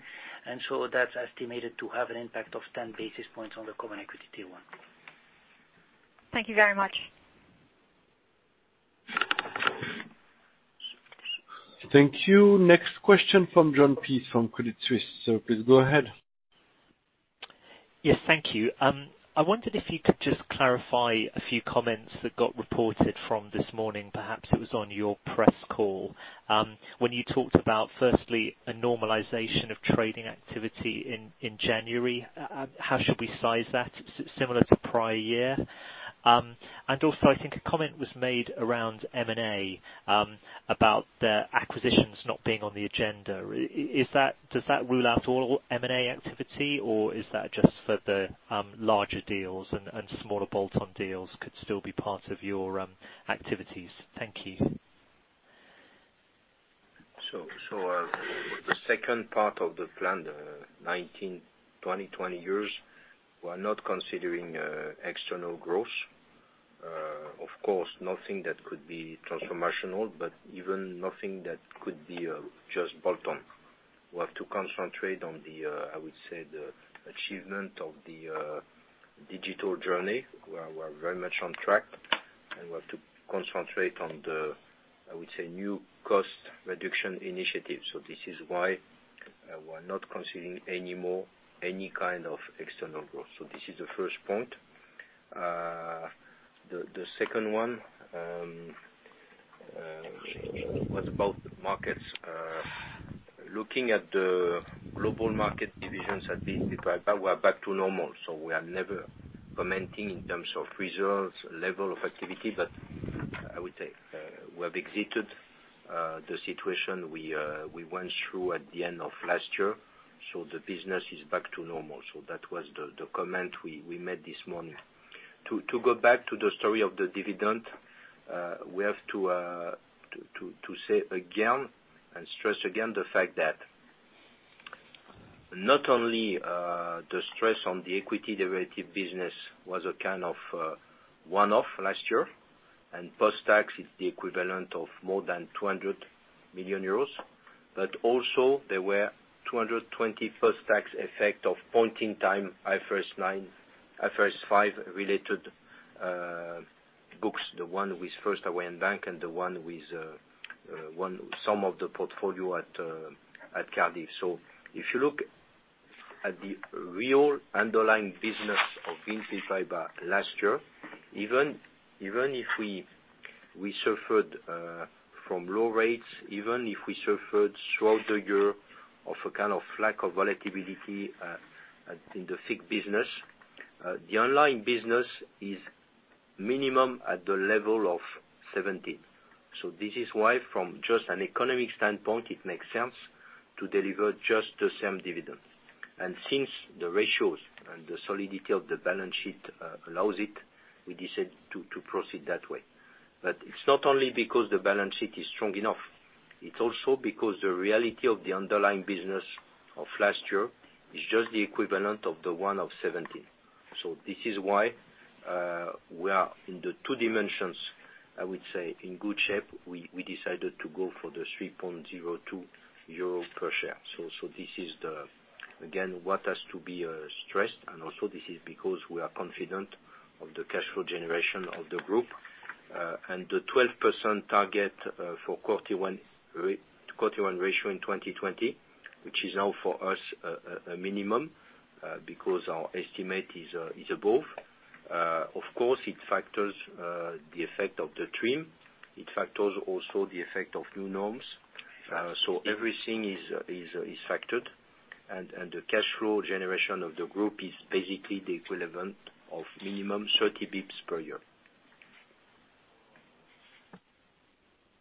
That's estimated to have an impact of 10 basis points on the Common Equity Tier 1. Thank you very much. Thank you. Next question from Jon Peace from Credit Suisse. Please go ahead. Yes, thank you. I wondered if you could just clarify a few comments that got reported from this morning, perhaps it was on your press call. When you talked about, firstly, a normalization of trading activity in January, how should we size that? Similar to prior year? Also, I think a comment was made around M&A about the acquisitions not being on the agenda. Does that rule out all M&A activity or is that just for the larger deals and smaller bolt-on deals could still be part of your activities? Thank you. The second part of the plan, the 2019, 2020 years, we are not considering external growth. Of course, nothing that could be transformational, but even nothing that could be just bolt-on. We have to concentrate on the, I would say, the achievement of the digital journey, where we are very much on track, and we have to concentrate on the, I would say, new cost reduction initiatives. This is why we are not considering any more, any kind of external growth. This is the first point. The second one was about markets. Looking at the global market divisions at BNP Paribas, we are back to normal. We are never commenting in terms of reserves, level of activity, but I would say we have exited the situation we went through at the end of last year. The business is back to normal. That was the comment we made this morning. To go back to the story of the dividend, we have to say again and stress again the fact that not only the stress on the equity derivative business was a kind of one-off last year, and post-tax is the equivalent of more than 200 million euros. Also, there were 220 post-tax effect of point-in-time IFRS 5 related books. The one with First Hawaiian Bank and the one with some of the portfolio at Cardif. If you look at the real underlying business of BNP Paribas last year, even if we suffered from low rates, even if we suffered throughout the year of a kind of lack of volatility in the FICC business, the underlying business is minimum at the level of 2017. This is why from just an economic standpoint, it makes sense to deliver just the same dividend. Since the ratios and the solidity of the balance sheet allows it, we decide to proceed that way. It's not only because the balance sheet is strong enough. It's also because the reality of the underlying business of last year is just the equivalent of the one of 2017. This is why we are in the two dimensions, I would say, in good shape. We decided to go for the 3.02 euro per share. This is again, what has to be stressed, and also this is because we are confident of the cash flow generation of the group. The 12% target for Q1 ratio in 2020, which is now for us a minimum, because our estimate is above. Of course, it factors the effect of the TRIM. It factors also the effect of new norms. Everything is factored, and the cash flow generation of the group is basically the equivalent of minimum 30 basis points per year.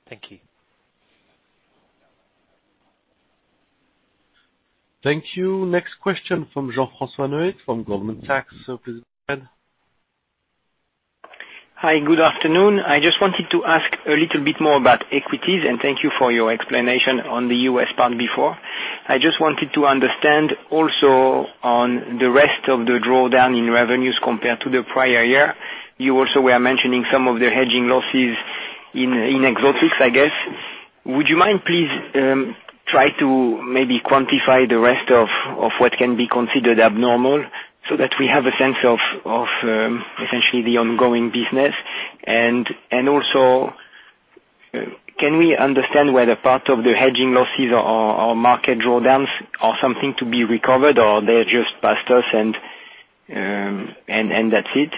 Thank you. Thank you. Next question from Jean-Francois Neidecker from Goldman Sachs. Hi, good afternoon. I just wanted to ask a little bit more about equities, and thank you for your explanation on the U.S. part before. I just wanted to understand also on the rest of the drawdown in revenues compared to the prior year. You also were mentioning some of the hedging losses in exotics, I guess. Would you mind, please, try to maybe quantify the rest of what can be considered abnormal so that we have a sense of essentially the ongoing business? Also, can we understand where the part of the hedging losses or market drawdowns are something to be recovered, or they're just past us and that's it?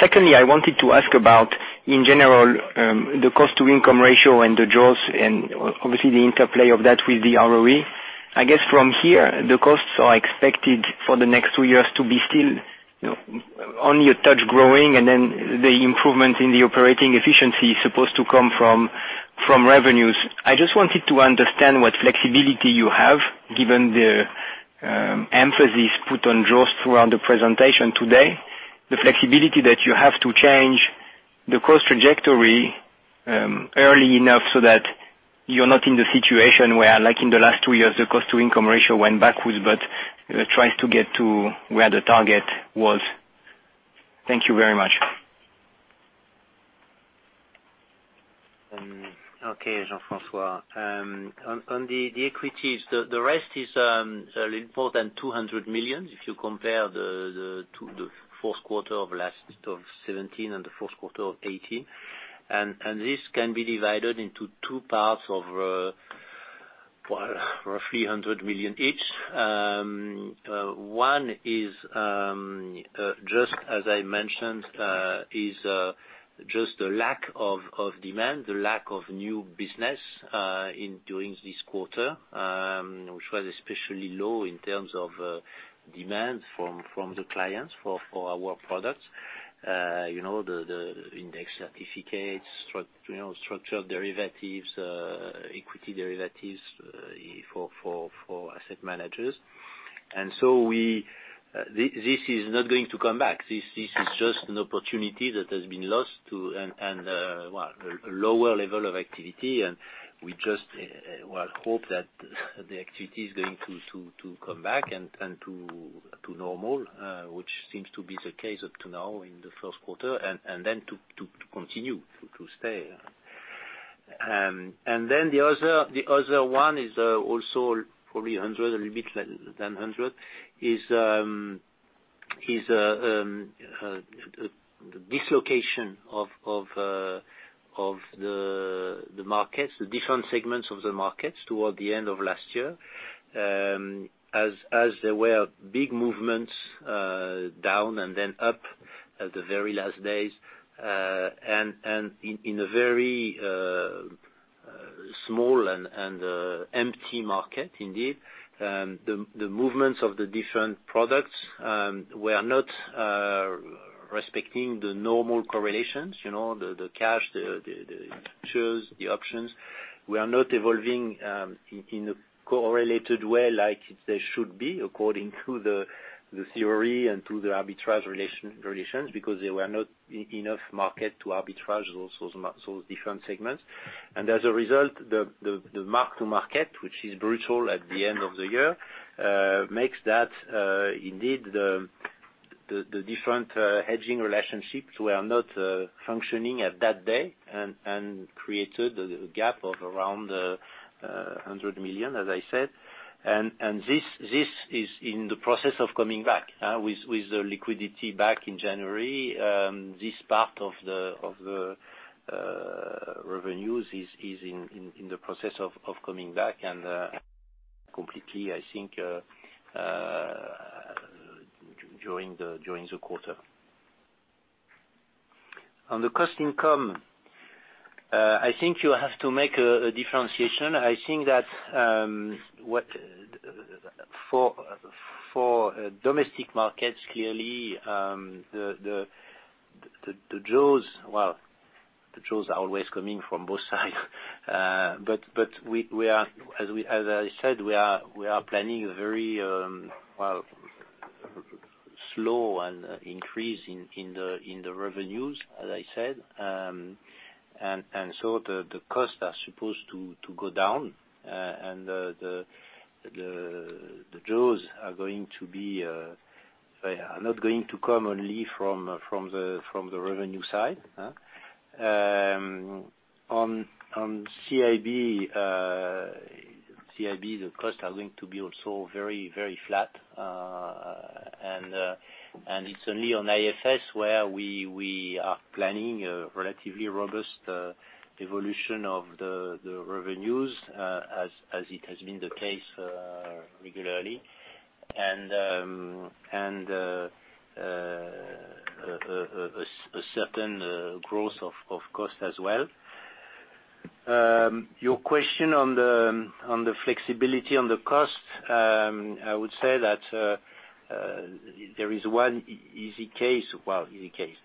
Secondly, I wanted to ask about, in general, the cost-to-income ratio and the jaws and obviously the interplay of that with the ROE. I guess from here, the costs are expected for the next two years to be still only a touch growing. The improvement in the operating efficiency is supposed to come from revenues. I just wanted to understand what flexibility you have, given the emphasis put on jaws throughout the presentation today. The flexibility that you have to change the cost trajectory early enough so that you're not in the situation where, like in the last two years, the cost-to-income ratio went backwards but tries to get to where the target was. Thank you very much. Okay, Jean-Francois. On the equities, the rest is a little more than 200 million, if you compare to the fourth quarter of 2017 and the fourth quarter of 2018. This can be divided into two parts of 300 million each. One is, just as I mentioned, the lack of demand, the lack of new business during this quarter, which was especially low in terms of demand from the clients for our products. The index certificates, structured derivatives, equity derivatives for asset managers. This is not going to come back. This is just an opportunity that has been lost and a lower level of activity, and we just hope that the activity is going to come back and to normal, which seems to be the case up to now in the first quarter, and then to continue, to stay. The other one is also probably a little bit than 100, is the dislocation of the markets, the different segments of the markets toward the end of last year. There were big movements down and then up at the very last days, and in a very small and empty market, indeed, the movements of the different products were not respecting the normal correlations. The cash, the shares, the options were not evolving in a correlated way like they should be according to the theory and to the arbitrage relations, because there were not enough market to arbitrage those different segments. As a result, the mark to market, which is brutal at the end of the year, makes that indeed the different hedging relationships were not functioning at that day and created a gap of around 100 million, as I said. This is in the process of coming back. With the liquidity back in January, this part of the revenues is in the process of coming back and completely, I think, during the quarter. On the cost income, you have to make a differentiation. For Domestic Markets, clearly, the jaws are always coming from both sides. As I said, we are planning a very slow increase in the revenues, as I said. The costs are supposed to go down, and the jaws are not going to come only from the revenue side. On CIB, the costs are going to be also very flat. It's only on IFS where we are planning a relatively robust evolution of the revenues, as it has been the case regularly, and a certain growth of cost as well. Your question on the flexibility on the cost, I would say that there is one easy case. Well, easy case.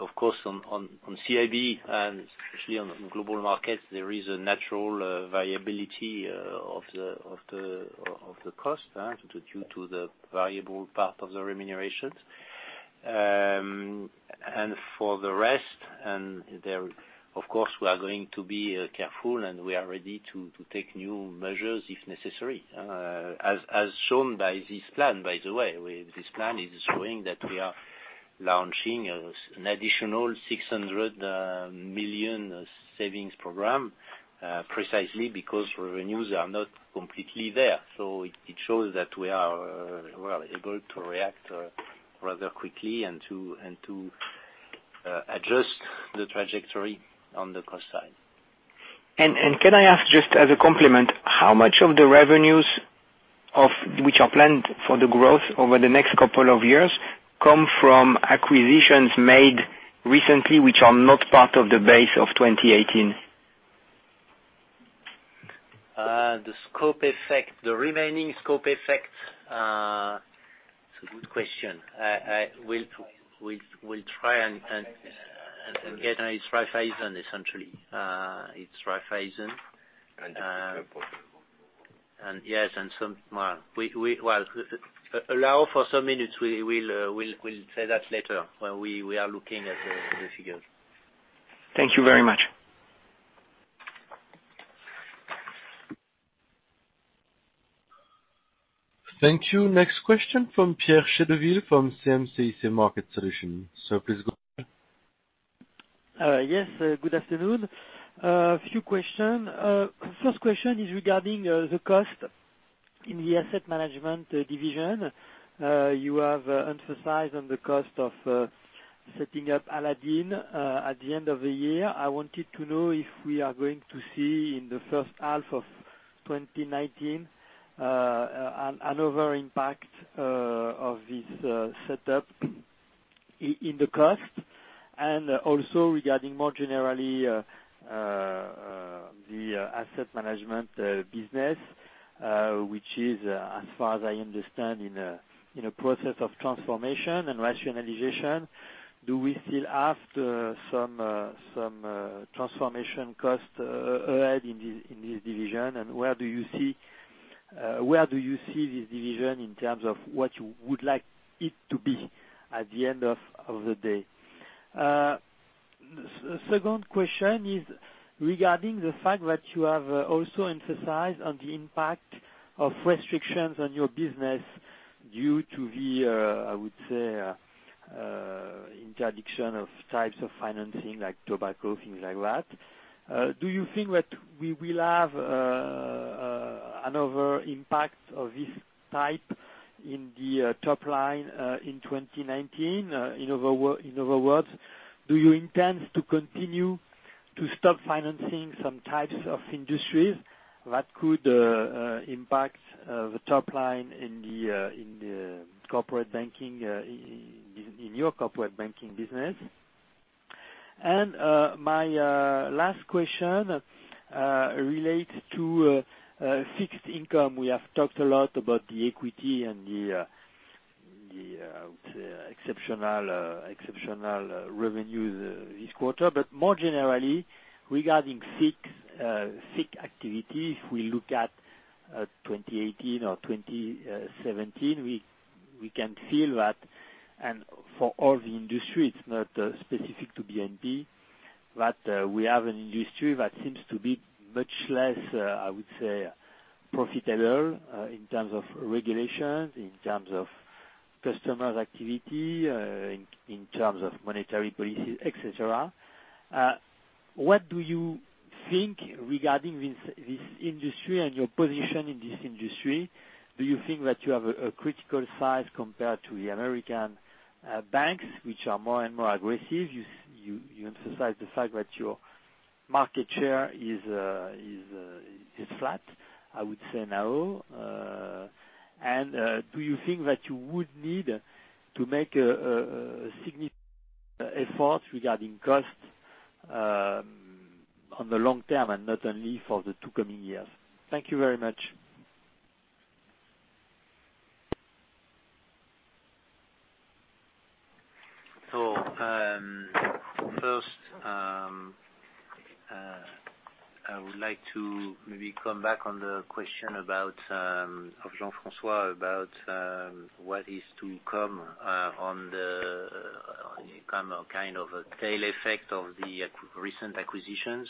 Of course, on CIB and especially on global markets, there is a natural variability of the cost due to the variable part of the remunerations. For the rest, of course, we are going to be careful, and we are ready to take new measures if necessary, as shown by this plan, by the way. This plan is showing that we are launching an additional 600 million savings program, precisely because revenues are not completely there. It shows that we are able to react rather quickly and to adjust the trajectory on the cost side. Can I ask just as a complement, how much of the revenues which are planned for the growth over the next couple of years come from acquisitions made recently, which are not part of the base of 2018? The remaining scope effect. It's a good question. We'll try and get. It's Raiffeisen, essentially. It's Raiffeisen. Portfolion. Yes. Well, allow for some minutes. We'll say that later when we are looking at the figures. Thank you very much. Thank you. Next question from Pierre Chédeville from CIC Market Solutions. Please go ahead. Yes, good afternoon. A few questions. First question regarding the cost. In the asset management division, you have emphasized on the cost of setting up Aladdin at the end of the year. I wanted to know if we are going to see in the first half of 2019, another impact of this setup in the cost. Also regarding more generally, the asset management business, which is, as far as I understand, in a process of transformation and rationalization. Do we still have some transformation cost ahead in this division? Where do you see this division in terms of what you would like it to be at the end of the day? Second question is regarding the fact that you have also emphasized on the impact of restrictions on your business due to the, I would say, interdiction of types of financing like tobacco, things like that. Do you think that we will have another impact of this type in the top line, in 2019? In other words, do you intend to continue to stop financing some types of industries that could impact the top line in your corporate banking business? My last question relates to fixed income. We have talked a lot about the equity and the, I would say, exceptional revenues this quarter, but more generally, regarding FICC activities, if we look at 2018 or 2017, we can feel that. For all the industry, it's not specific to BNP, that we have an industry that seems to be much less, I would say, profitable, in terms of regulations, in terms of customers' activity, in terms of monetary policies, et cetera. What do you think regarding this industry and your position in this industry? Do you think that you have a critical size compared to the American banks, which are more and more aggressive? You emphasize the fact that your market share is flat, I would say now. Do you think that you would need to make a significant effort regarding cost on the long term and not only for the two coming years? Thank you very much. First, I would like to maybe come back on the question of Jean-Francois about what is to come on the kind of a tail effect of the recent acquisitions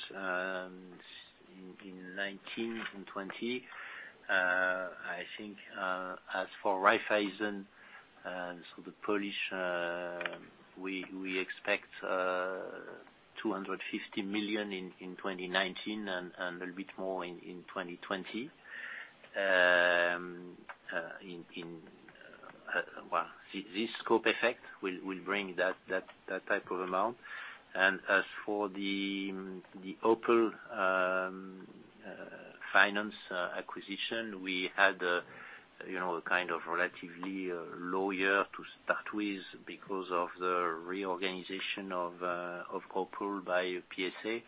in 2019 and 2020. I think as for Raiffeisen, so the Polish, we expect 250 million in 2019 and a little bit more in 2020. This scope effect will bring that type of amount. As for the Opel Finance acquisition, we had a kind of relatively low year to start with because of the reorganization of Opel by PSA.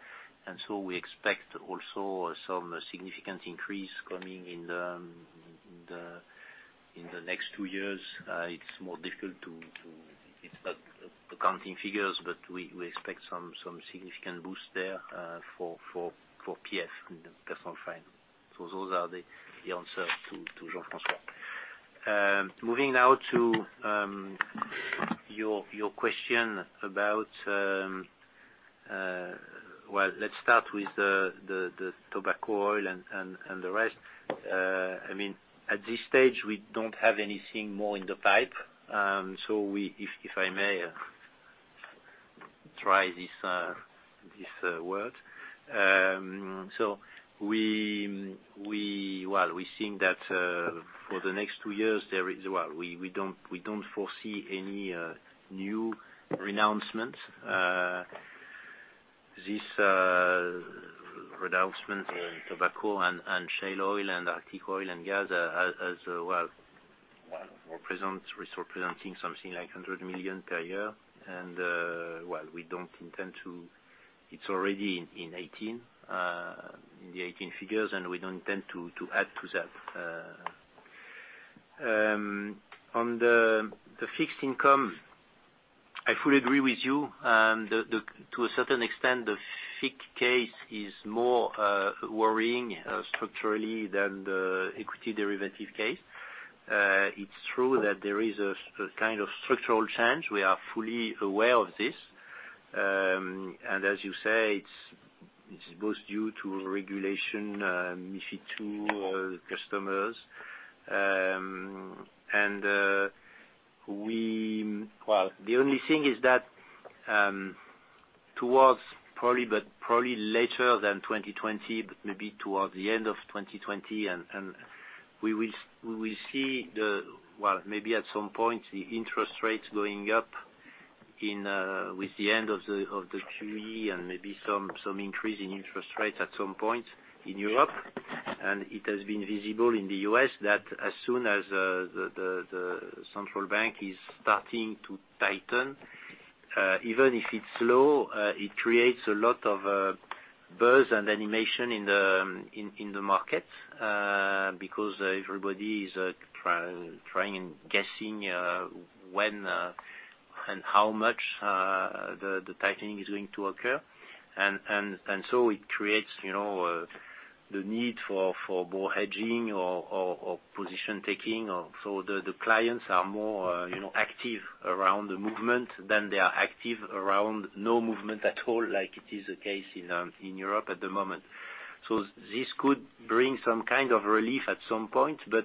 We expect also some significant increase coming in the next two years. It's more difficult to expect accounting figures, but we expect some significant boost there for PF, Personal Finance. Those are the answers to Jean-Francois. Moving now to your question about well, let's start with the tobacco, oil, and the rest. At this stage, we don't have anything more in the pipe. If I may try these words. We're seeing that for the next two years, we don't foresee any new renouncements. These renouncements in tobacco and shale oil and Arctic oil and gas are representing something like 100 million per year. We don't intend to, it's already in the 2018 figures, and we don't intend to add to that. On the fixed income, I fully agree with you. To a certain extent, the FIC case is more worrying structurally than the equity derivative case. It's true that there is a kind of structural change. We are fully aware of this. As you say, it's both due to regulation, MiFID II, or the customers. The only thing is that towards probably later than 2020, maybe towards the end of 2020, we will see at some point the interest rates going up with the end of the QE and maybe some increase in interest rates at some point in Europe. It has been visible in the U.S. that as soon as the central bank is starting to tighten, even if it's slow, it creates a lot of buzz and animation in the market, because everybody is trying and guessing when and how much the tightening is going to occur. It creates the need for more hedging or position taking. The clients are more active around the movement than they are active around no movement at all, like it is the case in Europe at the moment. This could bring some kind of relief at some point, but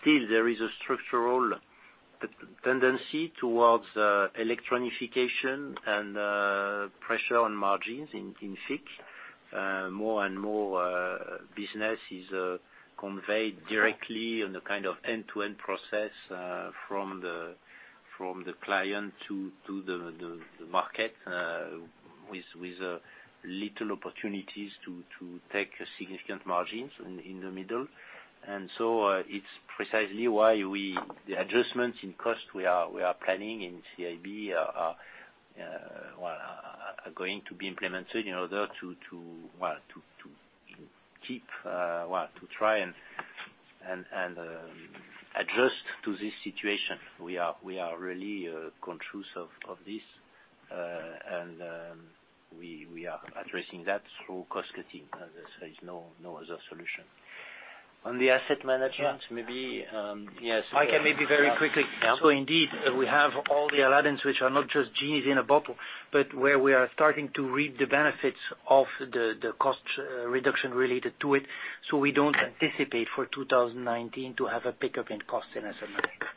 still there is a structural tendency towards electronification and pressure on margins in FIC. More and more business is conveyed directly on the kind of end-to-end process from the client to the market with little opportunities to take significant margins in the middle. It's precisely why the adjustments in cost we are planning in CIB are going to be implemented in order to try and adjust to this situation. We are really conscious of this, and we are addressing that through cost-cutting. As I said, there's no other solution. On the asset management, maybe, yes. I can maybe very quickly. Yeah. Indeed, we have all the Aladdin, which are not just genes in a bottle, but where we are starting to reap the benefits of the cost reduction related to it. We don't anticipate for 2019 to have a pickup in cost in asset management.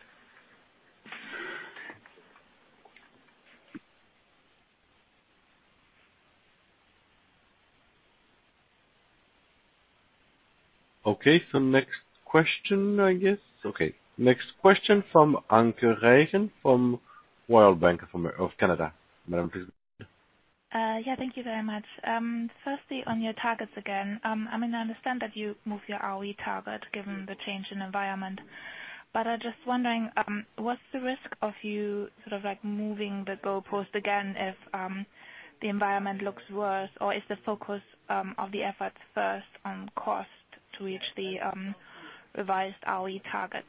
Okay. Next question, I guess. Next question from Anke Reingen from Royal Bank of Canada. Madam, please go ahead. Thank you very much. Firstly, on your targets again, I understand that you moved your ROE target given the change in environment. I'm just wondering, what's the risk of you sort of moving the goalpost again if the environment looks worse? Is the focus of the efforts first on cost to reach the revised ROE targets?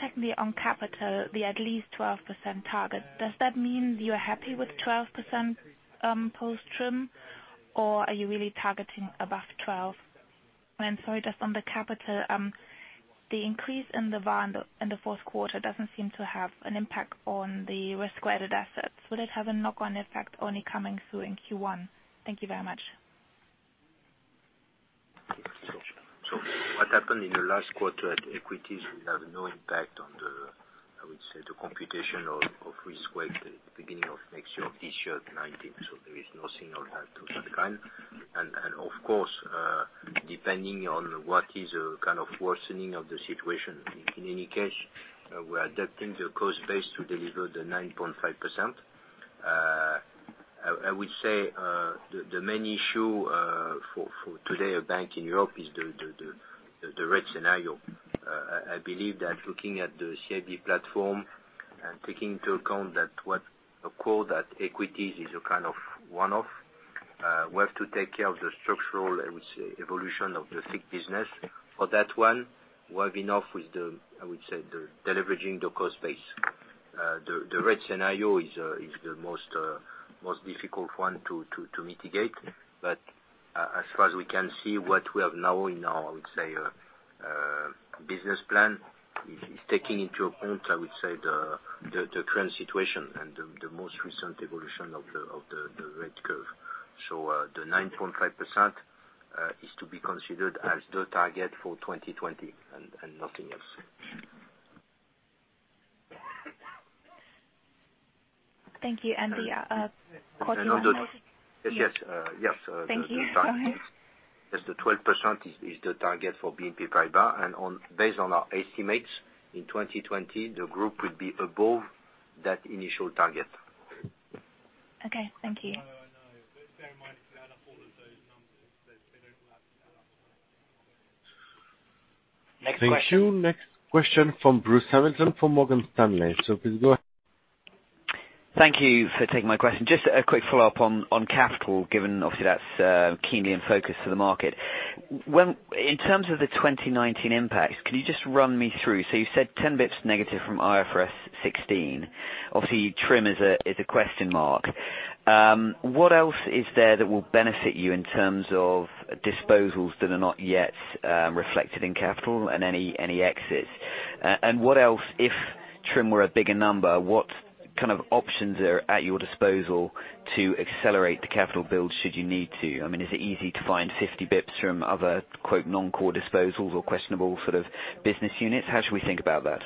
Secondly, on capital, the at least 12% target, does that mean you're happy with 12% post-TRIM, or are you really targeting above 12? Sorry, just on the capital, the increase in the VaR in the fourth quarter doesn't seem to have an impact on the risk-weighted assets. Would it have a knock-on effect only coming through in Q1? Thank you very much. What happened in the last quarter at equities will have no impact on the, I would say, the computation of risk-weight at the beginning of next year, this year at 2019. There is nothing on that to that kind. Of course, depending on what is a kind of worsening of the situation, in any case, we are adapting the cost base to deliver the 9.5%. I would say the main issue for today, a bank in Europe is the rate scenario. I believe that looking at the CIB platform and taking into account that what occurred at equities is a kind of one-off, we have to take care of the structural, I would say, evolution of the FIC business. For that one, we have enough with the, I would say, the deleveraging the cost base. The rate scenario is the most difficult one to mitigate. As far as we can see, what we have now in our, I would say, business plan is taking into account, I would say, the current situation and the most recent evolution of the rate curve. The 9.5% is to be considered as the target for 2020 and nothing else. Thank you. The quarter one Yes. Thank you. Go ahead. Yes, the 12% is the target for BNP Paribas, and based on our estimates, in 2020, the group would be above that initial target. Okay. Thank you. Next question. Thank you. Next question from Bruce Hamilton from Morgan Stanley. Please go ahead. Thank you for taking my question. Just a quick follow-up on capital, given obviously that's keenly in focus for the market. In terms of the 2019 impact, can you just run me through? You said 10 basis points negative from IFRS 16. Obviously, TRIM is a question mark. What else is there that will benefit you in terms of disposals that are not yet reflected in capital and any exits? What else if TRIM were a bigger number, what kind of options are at your disposal to accelerate the capital build should you need to? Is it easy to find 50 basis points from other "non-core disposals" or questionable sort of business units? How should we think about that?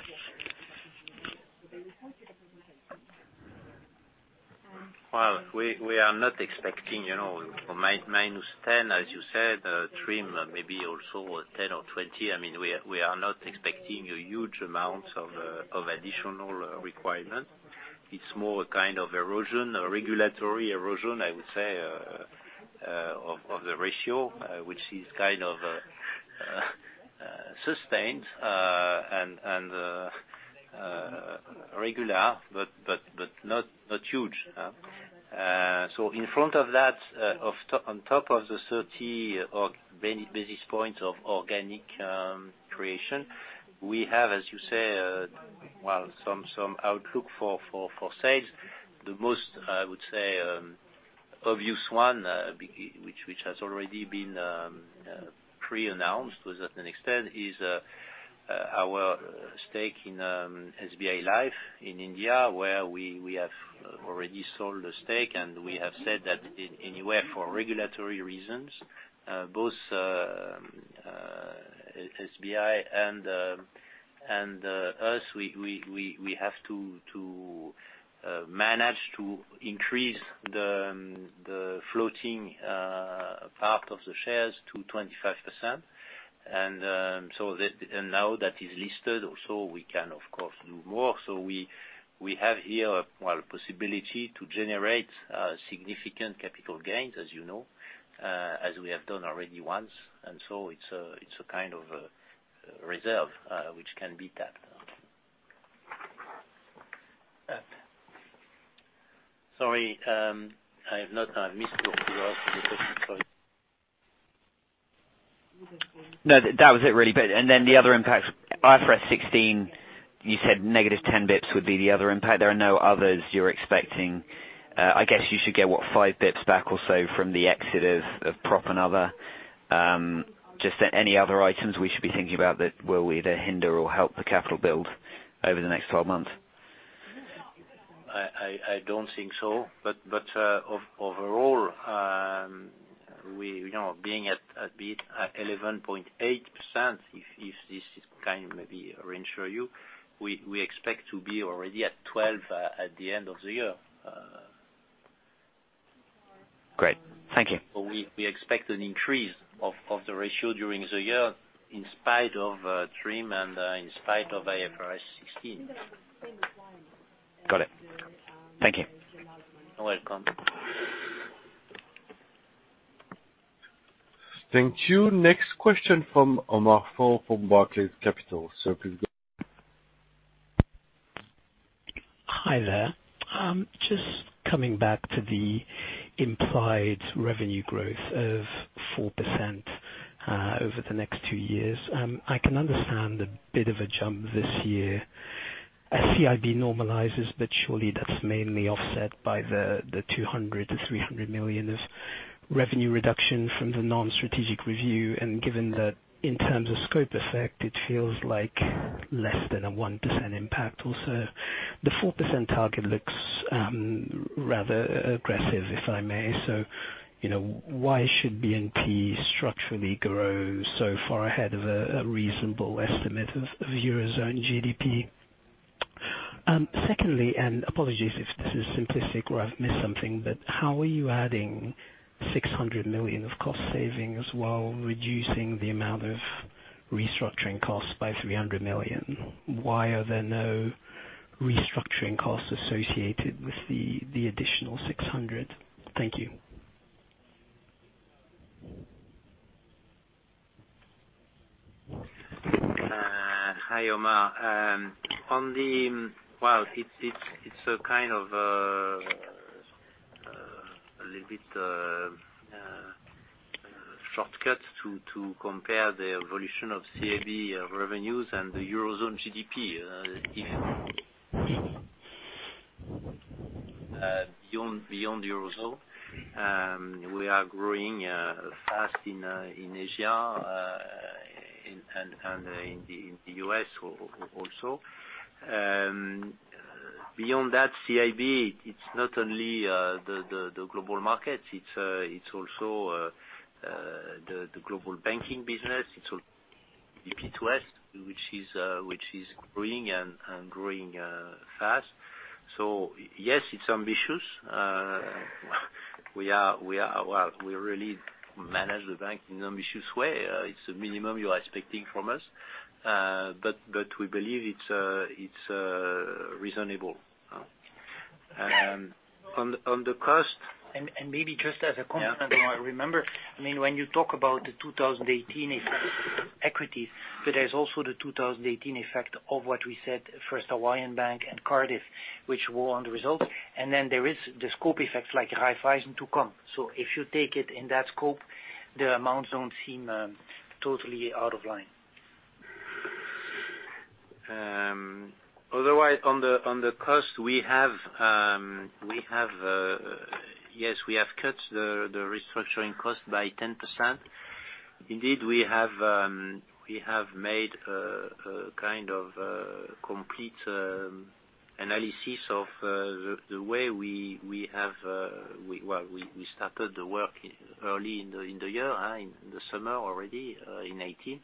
Well, we are not expecting -10, as you said, TRIM maybe also 10 or 20. We are not expecting huge amounts of additional requirement. It's more a kind of erosion, a regulatory erosion, I would say, of the ratio, which is kind of sustained and regular but not huge. In front of that, on top of the 30 basis points of organic creation, we have, as you say, some outlook for sales. The most, I would say, obvious one, which has already been pre-announced to a certain extent, is our stake in SBI Life in India, where we have already sold a stake and we have said that anywhere for regulatory reasons, both SBI and us, we have to manage to increase the floating part of the shares to 25%. Now that is listed also, we can of course do more. We have here a possibility to generate significant capital gains, as you know, as we have done already once. It's a kind of reserve, which can be tapped. Sorry, I have missed most of the question. Sorry. No, that was it really. The other impacts, IFRS 16, you said negative 10 basis points would be the other impact. There are no others you're expecting. I guess you should get, what, five basis points back or so from the exit of PropAnother. Just any other items we should be thinking about that will either hinder or help the capital build over the next 12 months? I don't think so. Overall, being a bit at 11.8%, if this is kind of maybe reassure you, we expect to be already at 12 at the end of the year. Great, thank you. We expect an increase of the ratio during the year in spite of TRIM and in spite of IFRS 16. Got it. Thank you. You're welcome. Thank you. Next question from Omar Fall from Barclays Capital. Please go ahead. Hi there. Just coming back to the implied revenue growth of 4% over the next two years. I can understand a bit of a jump this year as CIB normalizes, but surely that's mainly offset by the 200 million-300 million of revenue reduction from the non-strategic review. Given that in terms of scope effect, it feels like less than a 1% impact also. The 4% target looks rather aggressive, if I may. Why should BNP structurally grow so far ahead of a reasonable estimate of Eurozone GDP? Secondly, and apologies if this is simplistic or I've missed something, but how are you adding 600 million of cost savings while reducing the amount of restructuring costs by 300 million? Why are there no restructuring costs associated with the additional 600? Thank you. Hi, Omar Fall. Well, it's a kind of a little bit shortcut to compare the evolution of CIB revenues and the Eurozone GDP, even. Beyond the Eurozone, we are growing fast in Asia and in the U.S. also. Beyond that, CIB, it's not only the global markets, it's also the global banking business. It's BP2S, which is growing and growing fast. Yes, it's ambitious. We really manage the bank in ambitious way. It's a minimum you are expecting from us, but we believe it's reasonable. On the cost- Maybe just as a comment, Omar Fall, remember, when you talk about the 2018 equities, but there's also the 2018 effect of what we said, First Hawaiian Bank and Cardif, which were on the results. Then there is the scope effects like Raiffeisen to come. If you take it in that scope, the amounts don't seem totally out of line. On the cost, we have cut the restructuring cost by 10%. We have made a complete analysis of the way. We started the work early in the year, in the summer already, in 2018.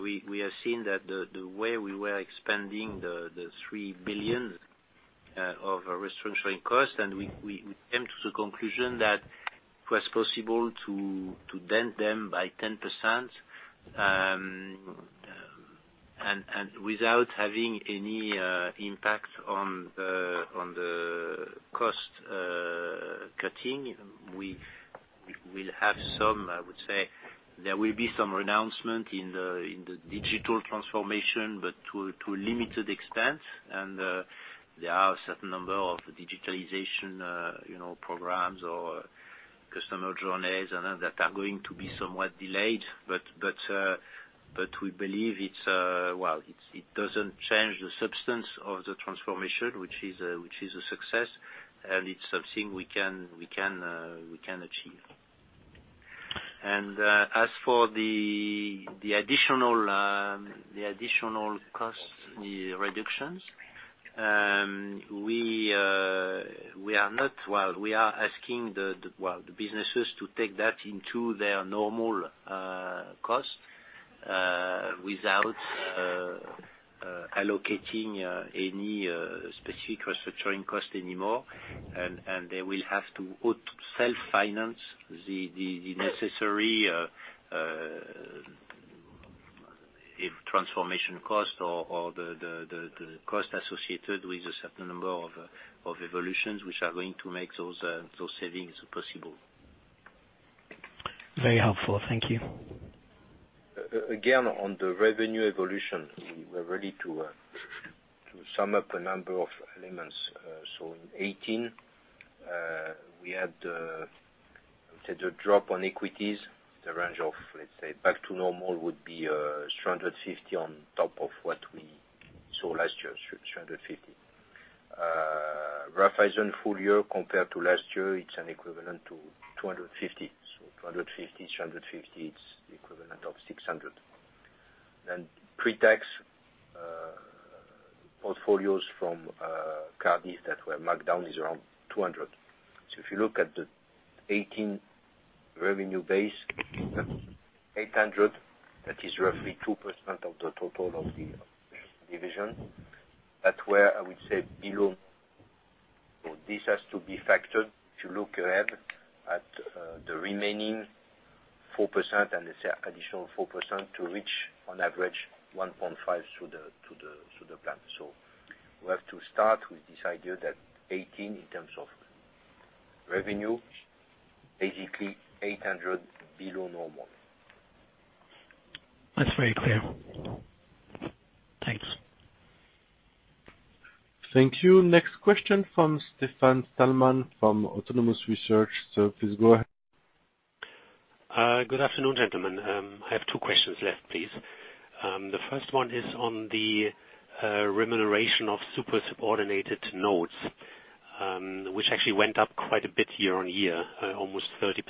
We have seen that the way we were expanding the 3 billion of restructuring costs, we came to the conclusion that it was possible to dent them by 10%. Without having any impact on the cost cutting, we'll have some, I would say, there will be some renouncement in the digital transformation, but to a limited extent. There are a certain number of digitalization programs or customer journeys that are going to be somewhat delayed. We believe it doesn't change the substance of the transformation, which is a success. It's something we can achieve. As for the additional cost reductions, we are asking the businesses to take that into their normal costs, without allocating any specific restructuring cost anymore. They will have to self-finance the necessary transformation cost or the cost associated with a certain number of evolutions, which are going to make those savings possible. Very helpful. Thank you. On the revenue evolution, we're ready to sum up a number of elements. In 2018, we had the drop on equities in the range of, let's say, back to normal would be 250 on top of what we saw last year, 250. Raiffeisen full year compared to last year, it's an equivalent to 250. 250, 250, it's equivalent of 600. Pre-tax portfolios from Cardif that were marked down is around 200. If you look at the 2018 revenue base, that's 800, that is roughly 2% of the total of the division. That where I would say below. This has to be factored to look ahead at the remaining 4% and additional 4% to reach on average 1.5 to the plan. We have to start with this idea that 2018 in terms of revenue, basically 800 below normal. That's very clear. Thanks. Thank you. Next question from Stefan Stalmann from Autonomous Research. Please go ahead. Good afternoon, gentlemen. I have two questions left, please. The first one is on the remuneration of super subordinated notes, which actually went up quite a bit year-over-year, almost 30%.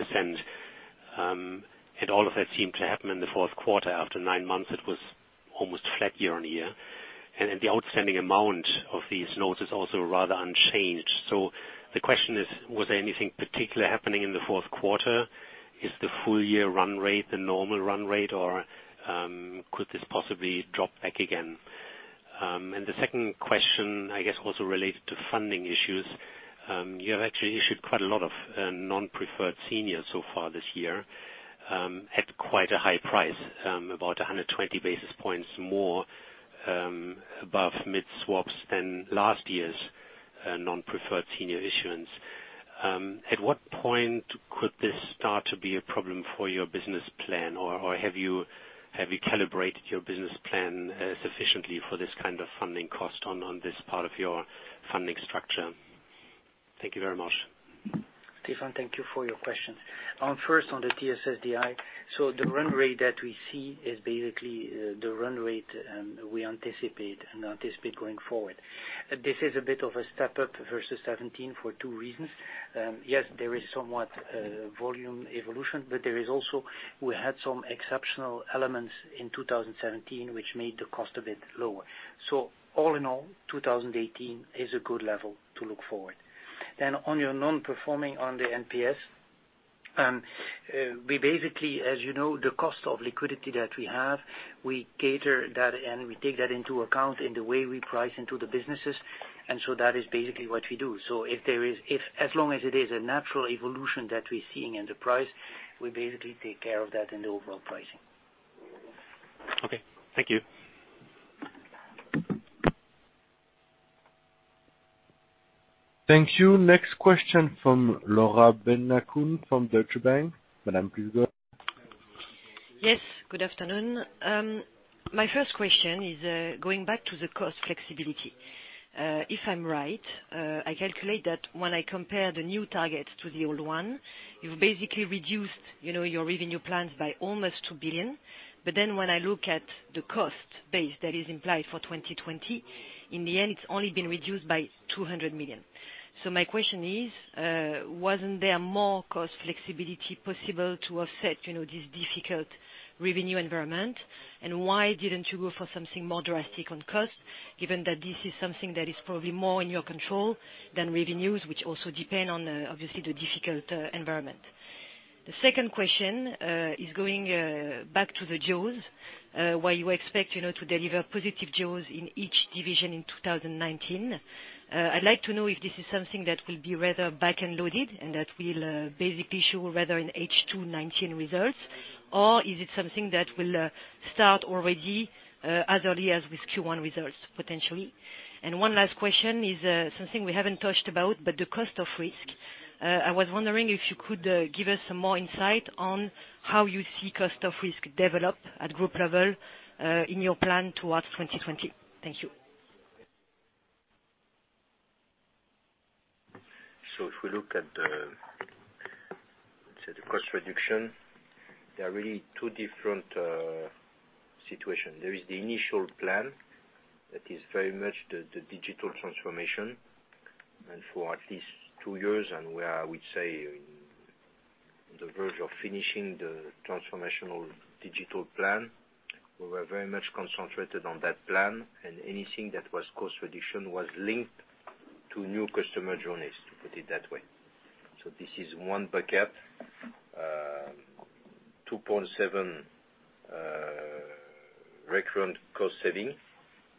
All of that seemed to happen in the fourth quarter. After nine months, it was almost flat year-over-year. The outstanding amount of these notes is also rather unchanged. The question is, was there anything particular happening in the fourth quarter? Is the full year run rate the normal run rate, or could this possibly drop back again? The second question, I guess, also related to funding issues. You have actually issued quite a lot of non-preferred senior so far this year, at quite a high price, about 120 basis points more above mid swaps than last year's non-preferred senior issuance. At what point could this start to be a problem for your business plan? Have you calibrated your business plan sufficiently for this kind of funding cost on this part of your funding structure? Thank you very much. Stefan, thank you for your question. First on the TSSDI, the run rate that we see is basically the run rate we anticipate going forward. This is a bit of a step-up versus 2017 for two reasons. Yes, there is somewhat volume evolution, there is also, we had some exceptional elements in 2017, which made the cost a bit lower. All in all, 2018 is a good level to look forward. On your non-performing on the NPLs. We basically, as you know, the cost of liquidity that we have, we cater that and we take that into account in the way we price into the businesses. That is basically what we do. As long as it is a natural evolution that we're seeing in the price, we basically take care of that in the overall pricing. Okay. Thank you. Thank you. Next question from Laura Chaillou from Deutsche Bank. Madam, please go ahead. Yes. Good afternoon. My first question is going back to the cost flexibility. If I'm right, I calculate that when I compare the new targets to the old one, you've basically reduced your revenue plans by almost 2 billion. When I look at the cost base that is implied for 2020, in the end, it's only been reduced by 200 million. My question is, wasn't there more cost flexibility possible to offset this difficult revenue environment? Why didn't you go for something more drastic on cost, given that this is something that is probably more in your control than revenues, which also depend on, obviously, the difficult environment. The second question is going back to the jaws, where you expect to deliver positive jaws in each division in 2019. I'd like to know if this is something that will be rather back-end loaded and that will basically show rather in H2 2019 results? Is it something that will start already as early as with Q1 results, potentially. One last question is something we haven't touched about, but the cost of risk. I was wondering if you could give us some more insight on how you see cost of risk develop at group level, in your plan towards 2020. Thank you. If we look at the, let's say the cost reduction, there are really two different situation. There is the initial plan that is very much the digital transformation, and for at least two years, and where I would say, on the verge of finishing the transformational digital plan. We were very much concentrated on that plan, and anything that was cost reduction was linked to new customer journeys, to put it that way. This is one bucket, 2.7 recurrent cost saving.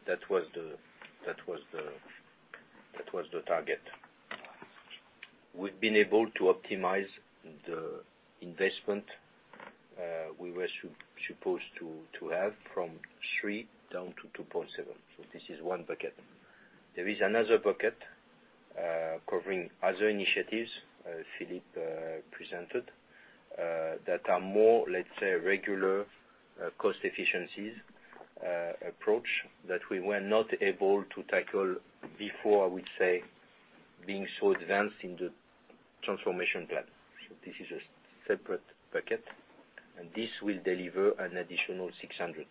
That was the target. We've been able to optimize the investment we were supposed to have from 3 down to 2.7. This is one bucket. There is another bucket, covering other initiatives Philippe presented, that are more, let's say, regular cost efficiencies approach that we were not able to tackle before, I would say, being so advanced in the transformation plan. This is a separate bucket, and this will deliver an additional 600.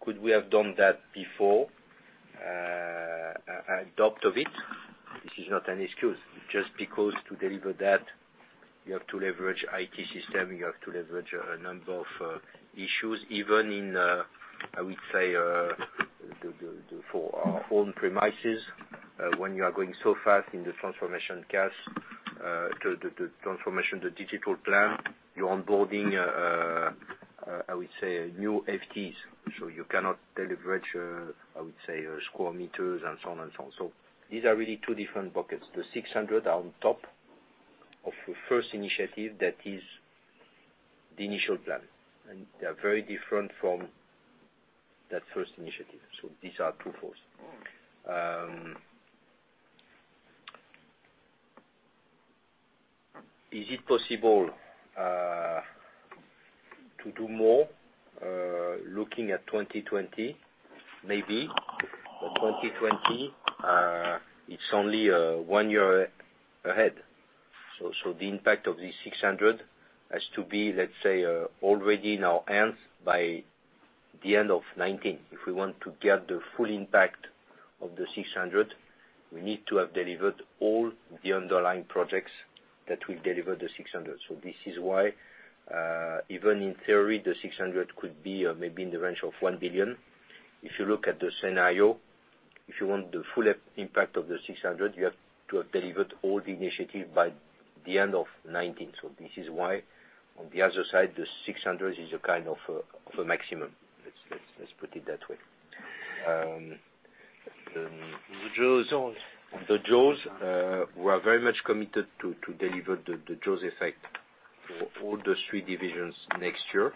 Could we have done that before? A doubt of it. This is not an excuse, just because to deliver that, you have to leverage IT system, you have to leverage a number of issues, even in, I would say, for our own premises. When you are going so fast in the transformation digital plan, you're onboarding, I would say, new FTs, so you cannot leverage, I would say, square meters and so on. These are really two different buckets. The 600 are on top of the first initiative that is the initial plan. They are very different from that first initiative. These are two poles. Is it possible to do more, looking at 2020? Maybe. 2020, it's only one year ahead. The impact of this 600 has to be, let's say, already in our hands by the end of 2019. If we want to get the full impact of the 600, we need to have delivered all the underlying projects that will deliver the 600. This is why, even in theory, the 600 could be maybe in the range of 1 billion. If you look at the scenario, if you want the full impact of the 600, you have to have delivered all the initiatives by the end of 2019. This is why, on the other side, the 600 is a kind of a maximum. Let's put it that way. The jaws. The jaws, we are very much committed to deliver the jaws effect for all the three divisions next year,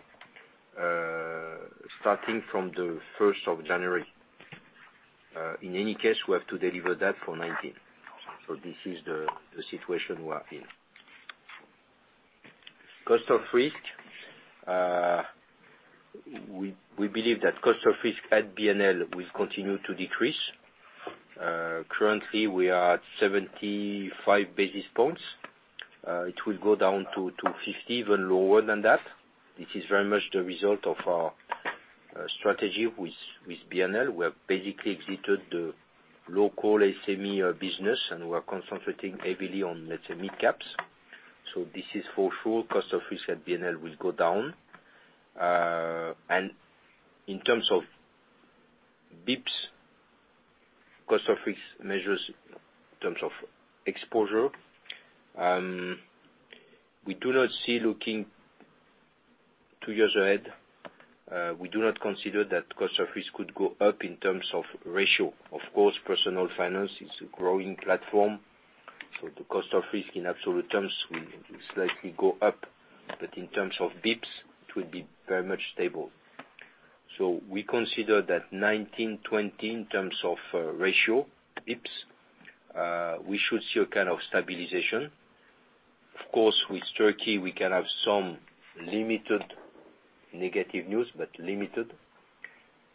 starting from the 1st of January. In any case, we have to deliver that for 2019. This is the situation we are in. Cost of risk. We believe that cost of risk at BNL will continue to decrease. Currently, we are at 75 basis points. It will go down to 50, even lower than that. This is very much the result of our strategy with BNL. We have basically exited the local SME business, and we're concentrating heavily on, let's say, midcaps. This is for sure, cost of risk at BNL will go down. In terms of bips, cost of risk measures in terms of exposure, we do not see looking two years ahead, we do not consider that cost of risk could go up in terms of ratio. Of course, Personal Finance is a growing platform, the cost of risk in absolute terms will slightly go up. In terms of bips, it will be very much stable. We consider that 2019, 2020, in terms of ratio, bips, we should see a kind of stabilization. Of course, with Turkey we can have some limited negative news, but limited.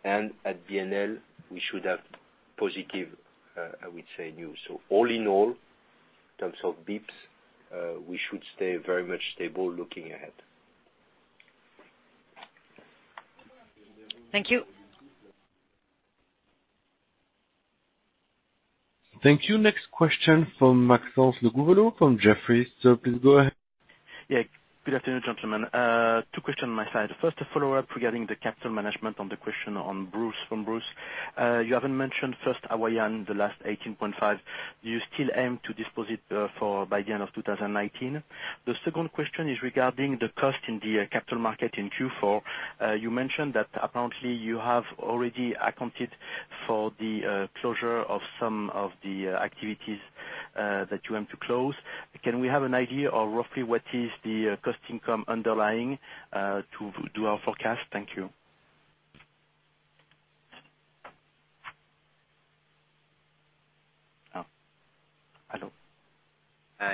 At BNL, we should have positive, I would say, news. All in all, in terms of bips, we should stay very much stable looking ahead. Thank you. Thank you. Next question from Maxence Le Gouvello from Jefferies. Please go ahead. Yeah. Good afternoon, gentlemen. Two question on my side. First, a follow-up regarding the capital management on the question from Bruce. You haven't mentioned First Hawaiian, the last 18.5. Do you still aim to dispose it by the end of 2019? The second question is regarding the cost in the capital market in Q4. You mentioned that apparently you have already accounted for the closure of some of the activities that you aim to close. Can we have an idea of roughly what is the cost income underlying, to do our forecast? Thank you. Hello?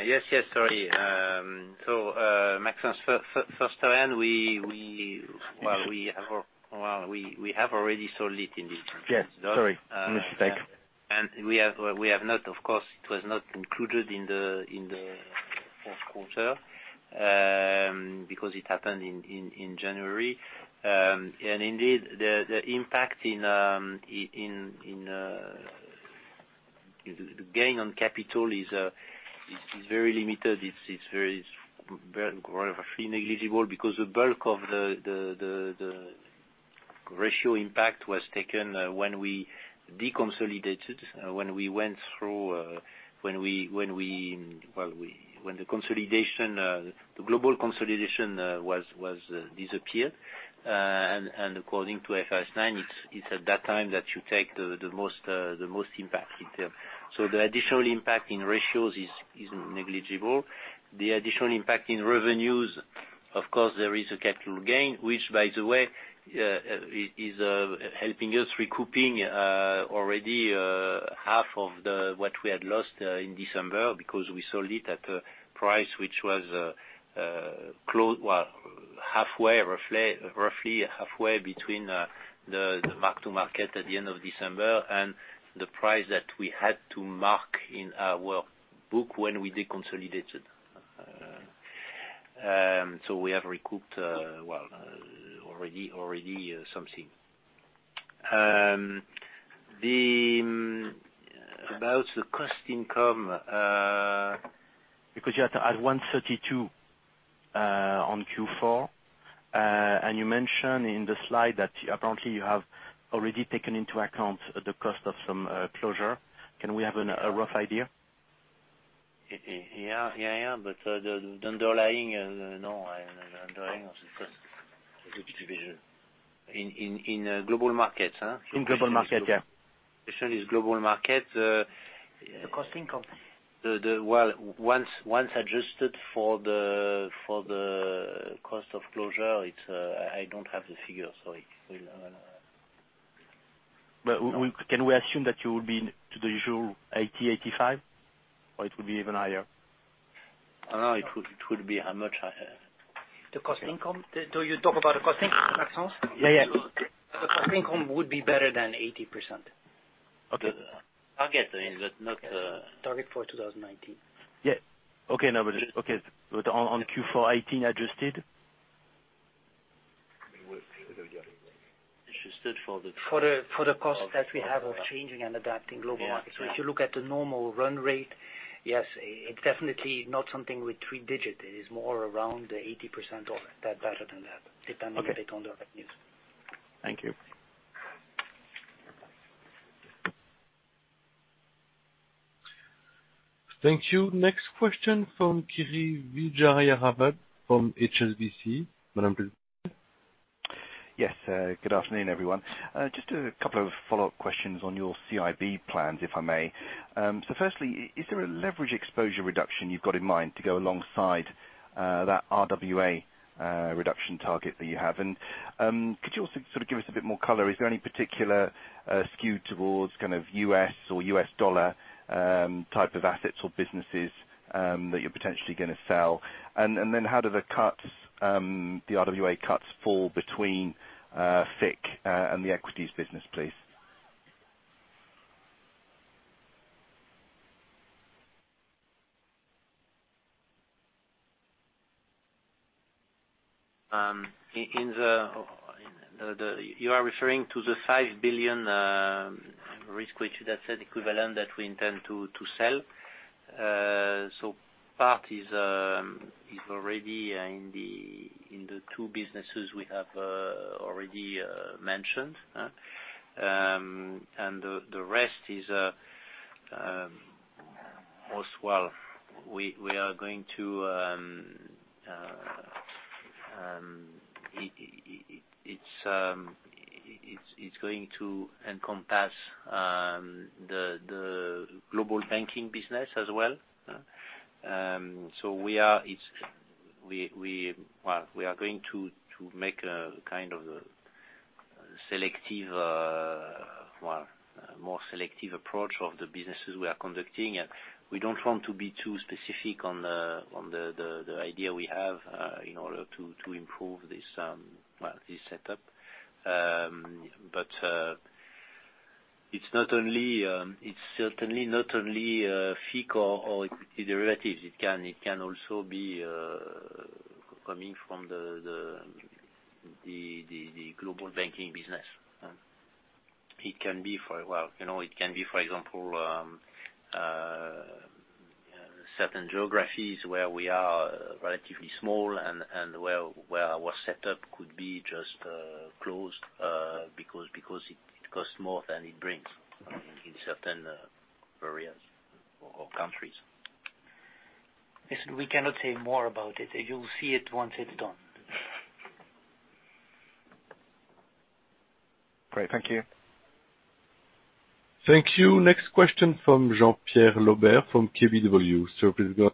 Yes. Sorry. Maxence, first hand, we have already sold it in December. Yes. Sorry. A mistake. We have not, of course, it was not included in the fourth quarter, because it happened in January. Indeed, the impact in the gain on capital is very limited. It is very, roughly negligible because the bulk of the ratio impact was taken when we deconsolidated, when the global consolidation disappeared. According to IFRS 9, it is at that time that you take the most impact in terms. The additional impact in ratios is negligible. The additional impact in revenues, of course, there is a capital gain, which, by the way, is helping us recouping already half of what we had lost in December because we sold it at a price which was roughly halfway between the mark to market at the end of December and the price that we had to mark in our book when we deconsolidated. We have recouped already something. About the cost income, because you had 132% on Q4. You mentioned in the slide that apparently you have already taken into account the cost of some closure. Can we have a rough idea? Yeah, but the underlying, no. The underlying of the cost is a division. In global markets, huh? In global market, yeah. Question is global market. The cost income. Well, once adjusted for the cost of closure, I don't have the figure, sorry. Can we assume that you will be to the usual 80, 85? Will it be even higher? No, it will be much higher. The cost income. Do you talk about the costing, Maxence? Yeah. The cost income would be better than 80%. Okay. Target, is that not? Target for 2019. Yeah. Okay. On Q4 2018 adjusted? Adjusted for. For the costs that we have of changing and adapting global markets. Yeah. If you look at the normal run rate, yes, it's definitely not something with three digit. It is more around 80% or better than that, depending a bit on the revenues. Thank you. Thank you. Next question from Kirishanthan Vijayarajah from HSBC. Madam. Yes. Good afternoon, everyone. Just a couple of follow-up questions on your CIB plans, if I may. Firstly, is there a leverage exposure reduction you've got in mind to go alongside that RWA reduction target that you have? Could you also sort of give us a bit more color? Is there any particular skew towards kind of U.S. or U.S. dollar type of assets or businesses that you're potentially going to sell? Then how do the RWA cuts fall between FIC and the equities business, please? You are referring to the 5 billion risk-weighted asset equivalent that we intend to sell. Part is already in the two businesses we have already mentioned. The rest is going to encompass the global banking business as well. We are going to make a kind of a A selective, well, more selective approach of the businesses we are conducting. We don't want to be too specific on the idea we have in order to improve this setup. It's certainly not only FICC or equity derivatives. It can also be coming from the global banking business. It can be, for example, certain geographies where we are relatively small and where our setup could be just closed because it costs more than it brings in certain areas or countries. Yes. We cannot say more about it. You'll see it once it's done. Great. Thank you. Thank you. Next question from Jean-Pierre Lambert from KBW. Please go on.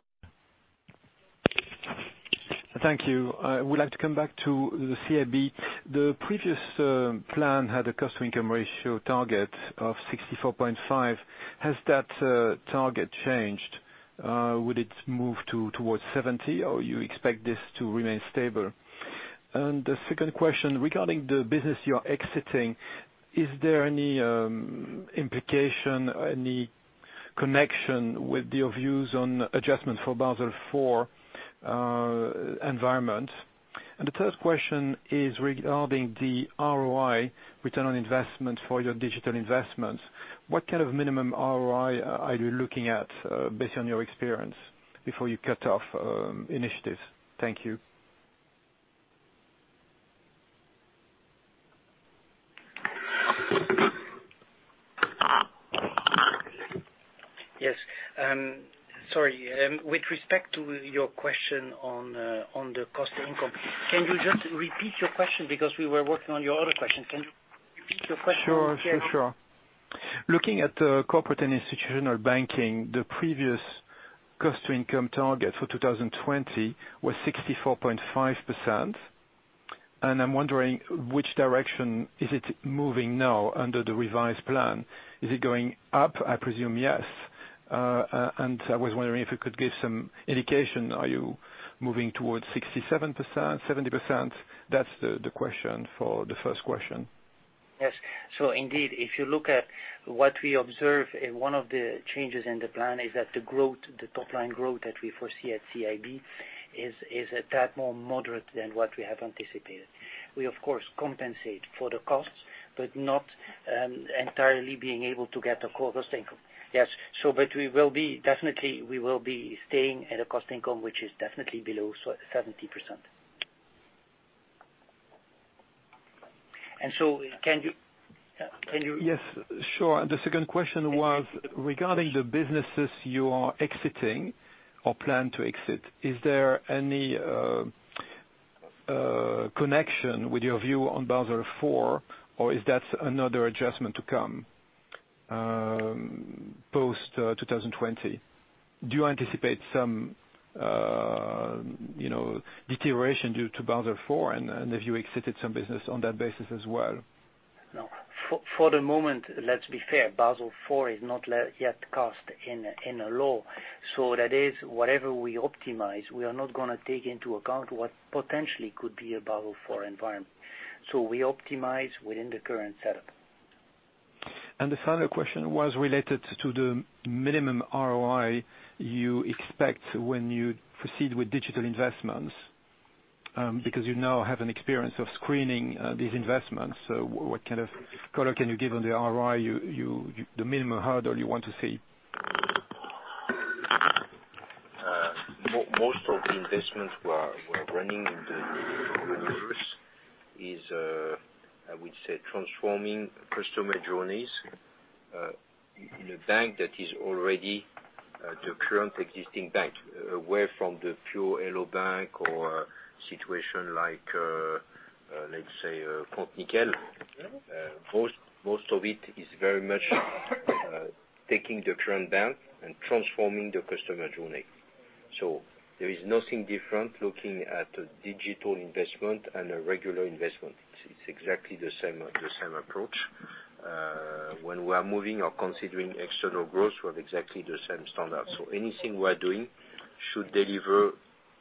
Thank you. I would like to come back to the CIB. The previous plan had a cost-to-income ratio target of 64.5. Has that target changed? Would it move towards 70, or you expect this to remain stable? The second question, regarding the business you're exiting, is there any implication, any connection with your views on adjustment for Basel IV environment? The third question is regarding the ROI, return on investment for your digital investments. What kind of minimum ROI are you looking at based on your experience before you cut off initiatives? Thank you. Yes. Sorry. With respect to your question on the cost to income, can you just repeat your question? We were working on your other question. Can you repeat your question? Sure. Looking at the corporate and institutional banking, the previous cost-to-income target for 2020 was 64.5%. I'm wondering which direction is it moving now under the revised plan? Is it going up? I presume yes. I was wondering if you could give some indication, are you moving towards 67%, 70%? That's the question for the first question. Yes. Indeed, if you look at what we observe, one of the changes in the plan is that the top line growth that we foresee at CIB is a tad more moderate than what we have anticipated. We, of course, compensate for the costs, but not entirely being able to get the core cost income. Yes. We will be definitely staying at a cost income, which is definitely below 70%. Yes, sure. The second question was regarding the businesses you are exiting or plan to exit, is there any connection with your view on Basel IV, or is that another adjustment to come post 2020? Do you anticipate some deterioration due to Basel IV and if you exited some business on that basis as well? No. For the moment, let's be fair, Basel IV is not yet cast in a law. That is, whatever we optimize, we are not going to take into account what potentially could be a Basel IV environment. We optimize within the current setup. The final question was related to the minimum ROI you expect when you proceed with digital investments, because you now have an experience of screening these investments. What kind of color can you give on the ROI, the minimum hurdle you want to see? Most of the investments we're running in the universe is, I would say, transforming customer journeys, in a bank that is already the current existing bank, away from the pureHello bank or a situation like, let's say, Nickel. Most of it is very much taking the current bank and transforming the customer journey. There is nothing different looking at a digital investment and a regular investment. It's exactly the same approach. When we are moving or considering external growth, we have exactly the same standards. Anything we're doing should deliver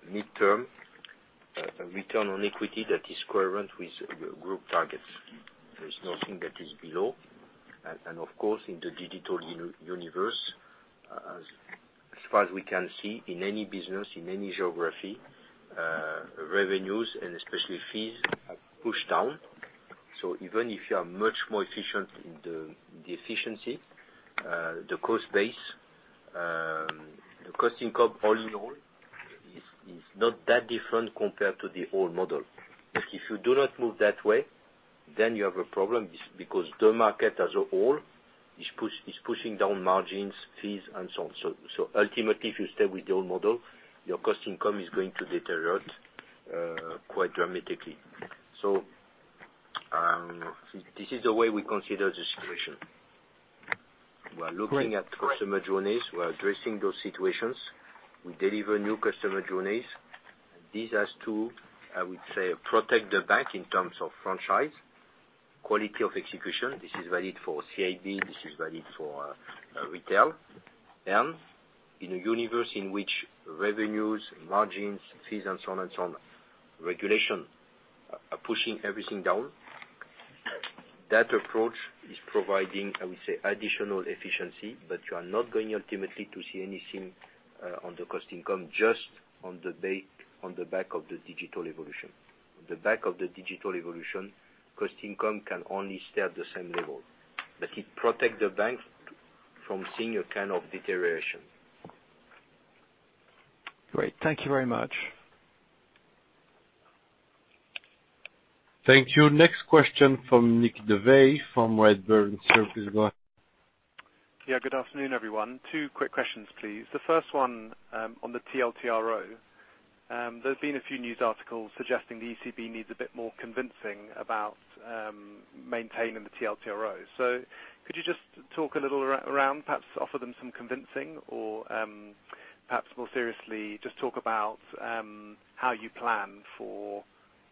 midterm, a return on equity that is coherent with group targets. There's nothing that is below. Of course, in the digital universe, as far as we can see in any business, in any geography, revenues and especially fees have pushed down. Even if you are much more efficient in the efficiency, the cost base, the cost income, all in all, is not that different compared to the old model. If you do not move that way, then you have a problem because the market as a whole is pushing down margins, fees, and so on. Ultimately, if you stay with the old model, your cost income is going to deteriorate quite dramatically. This is the way we consider the situation. We are looking at customer journeys. We are addressing those situations. We deliver new customer journeys. This has to, I would say, protect the bank in terms of franchise, quality of execution. This is valid for CIB, this is valid for retail, and in a universe in which revenues, margins, fees, and so on, regulation, are pushing everything down. That approach is providing, I would say, additional efficiency, but you are not going ultimately to see anything on the cost income, just on the back of the digital evolution. On the back of the digital evolution, cost income can only stay at the same level, it protects the bank from seeing a kind of deterioration. Great. Thank you very much. Thank you. Next question from Nicholas Davey from Redburn. Go ahead. Good afternoon, everyone. two quick questions, please. The first one on the TLTRO. There's been a few news articles suggesting the ECB needs a bit more convincing about maintaining the TLTRO. Could you just talk a little around, perhaps offer them some convincing or perhaps more seriously, just talk about how you plan for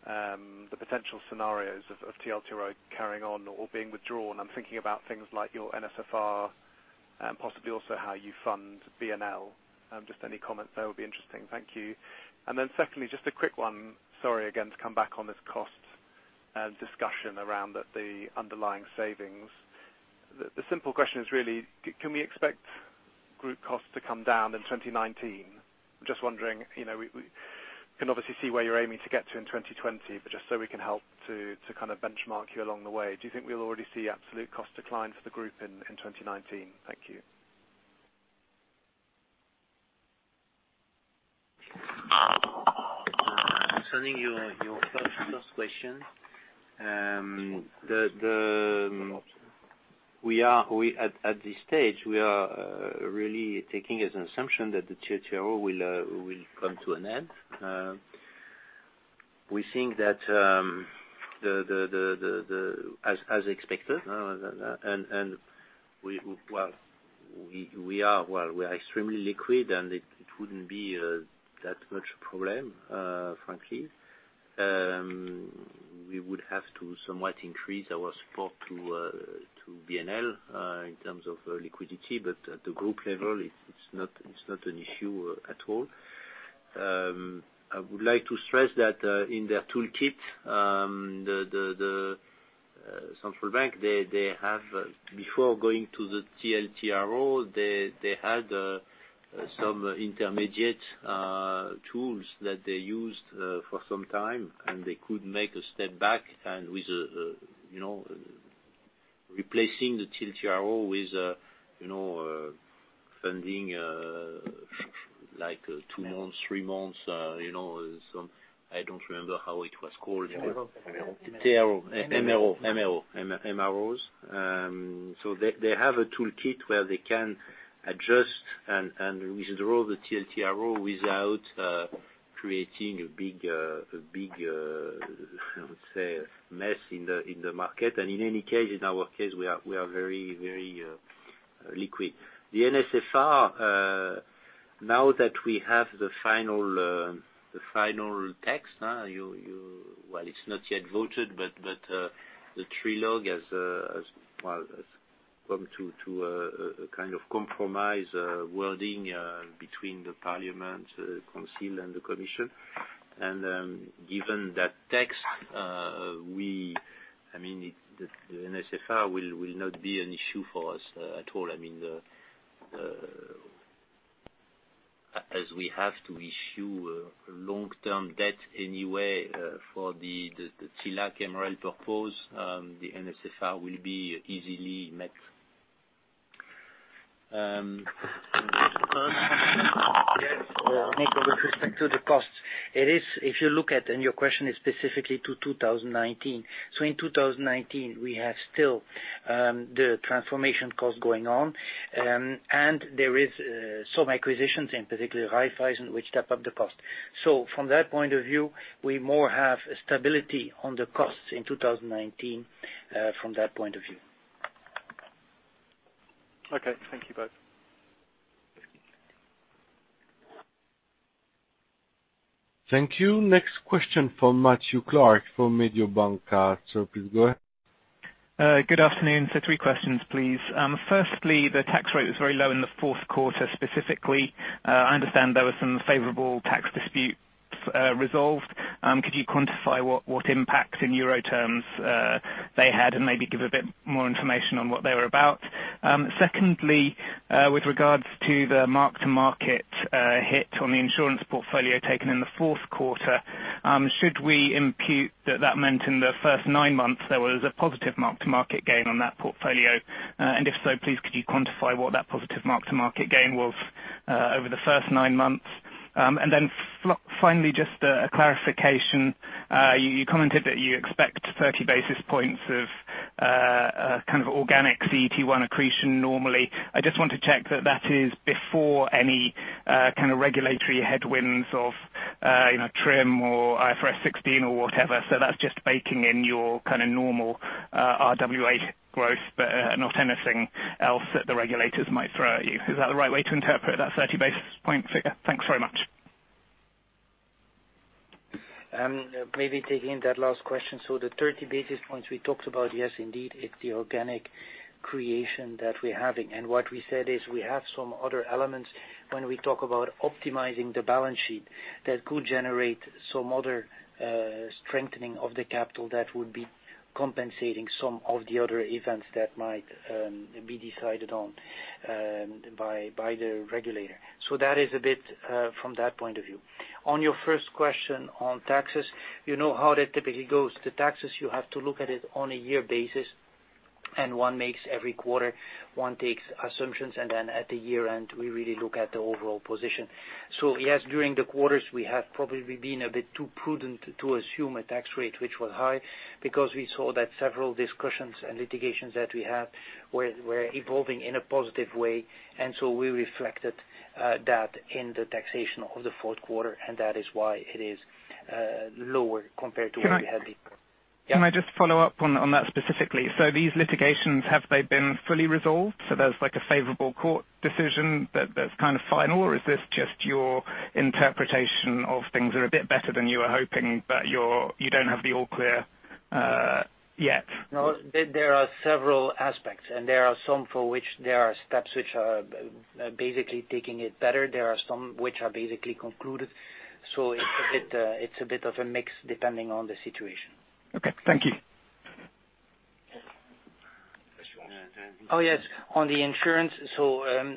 the potential scenarios of TLTRO carrying on or being withdrawn. I'm thinking about things like your NSFR and possibly also how you fund BNL. Just any comments there would be interesting. Thank you. Secondly, just a quick one. Sorry again to come back on this cost discussion around the underlying savings. The simple question is really, can we expect group costs to come down in 2019? Just wondering, we can obviously see where you're aiming to get to in 2020, just so we can help to benchmark you along the way. Do you think we'll already see absolute cost decline for the group in 2019? Thank you. Concerning your first question, at this stage, we are really taking as an assumption that the TLTRO will come to an end. We think that as expected, we are extremely liquid, and it wouldn't be that much a problem, frankly. We would have to somewhat increase our support to BNL in terms of liquidity. At the group level, it's not an issue at all. I would like to stress that in their toolkit, the central bank, before going to the TLTRO, they had some intermediate tools that they used for some time, and they could make a step back and with replacing the TLTRO with funding like two months, three months. I don't remember how it was called. MRO. MRO. They have a toolkit where they can adjust and withdraw the TLTRO without creating a big, I would say, mess in the market. In any case, in our case, we are very liquid. The NSFR, now that we have the final text. Well, it's not yet voted, but the trilogue has come to a kind of compromise wording between the parliament, the council, and the commission. Given that text, the NSFR will not be an issue for us at all. As we have to issue long-term debt anyway for the TLAC MREL purpose, the NSFR will be easily met. Nick, with respect to the cost, your question is specifically to 2019. In 2019, we have still the transformation cost going on, and there is some acquisitions, in particular Raiffeisen, which step up the cost. From that point of view, we more have stability on the costs in 2019 from that point of view. Okay. Thank you both. Thank you. Next question from Matthew Clark for Mediobanca. Please go ahead. Good afternoon, sir. Three questions, please. Firstly, the tax rate was very low in the fourth quarter specifically. I understand there were some favorable tax disputes resolved. Could you quantify what impact in EUR terms they had, and maybe give a bit more information on what they were about? Secondly, with regards to the mark-to-market hit on the insurance portfolio taken in the fourth quarter, should we impute that that meant in the first nine months there was a positive mark-to-market gain on that portfolio? If so, please could you quantify what that positive mark-to-market gain was over the first nine months? Finally, just a clarification. You commented that you expect 30 basis points of kind of organic CET1 accretion normally. I just want to check that is before any kind of regulatory headwinds of TRIM or IFRS 16 or whatever. That's just baking in your kind of normal RWA growth, but not anything else that the regulators might throw at you. Is that the right way to interpret that 30 basis point figure? Thanks very much. Maybe taking that last question. The 30 basis points we talked about, yes, indeed, it's the organic creation that we're having. What we said is we have some other elements when we talk about optimizing the balance sheet that could generate some other strengthening of the capital that would be compensating some of the other events that might be decided on by the regulator. That is a bit from that point of view. On your first question on taxes, you know how that typically goes. The taxes, you have to look at it on a year basis, and one makes every quarter, one takes assumptions, and then at the year-end, we really look at the overall position. Yes, during the quarters, we have probably been a bit too prudent to assume a tax rate which was high because we saw that several discussions and litigations that we had were evolving in a positive way, and so we reflected that in the taxation of the fourth quarter, and that is why it is lower compared to what we had before. Can I just follow up on that specifically? These litigations, have they been fully resolved? There's like a favorable court decision that's kind of final, or is this just your interpretation of things are a bit better than you were hoping, but you don't have the all clear yet? No, there are several aspects, and there are some for which there are steps which are basically taking it better. There are some which are basically concluded. It's a bit of a mix depending on the situation. Okay. Thank you. Yes. On the insurance,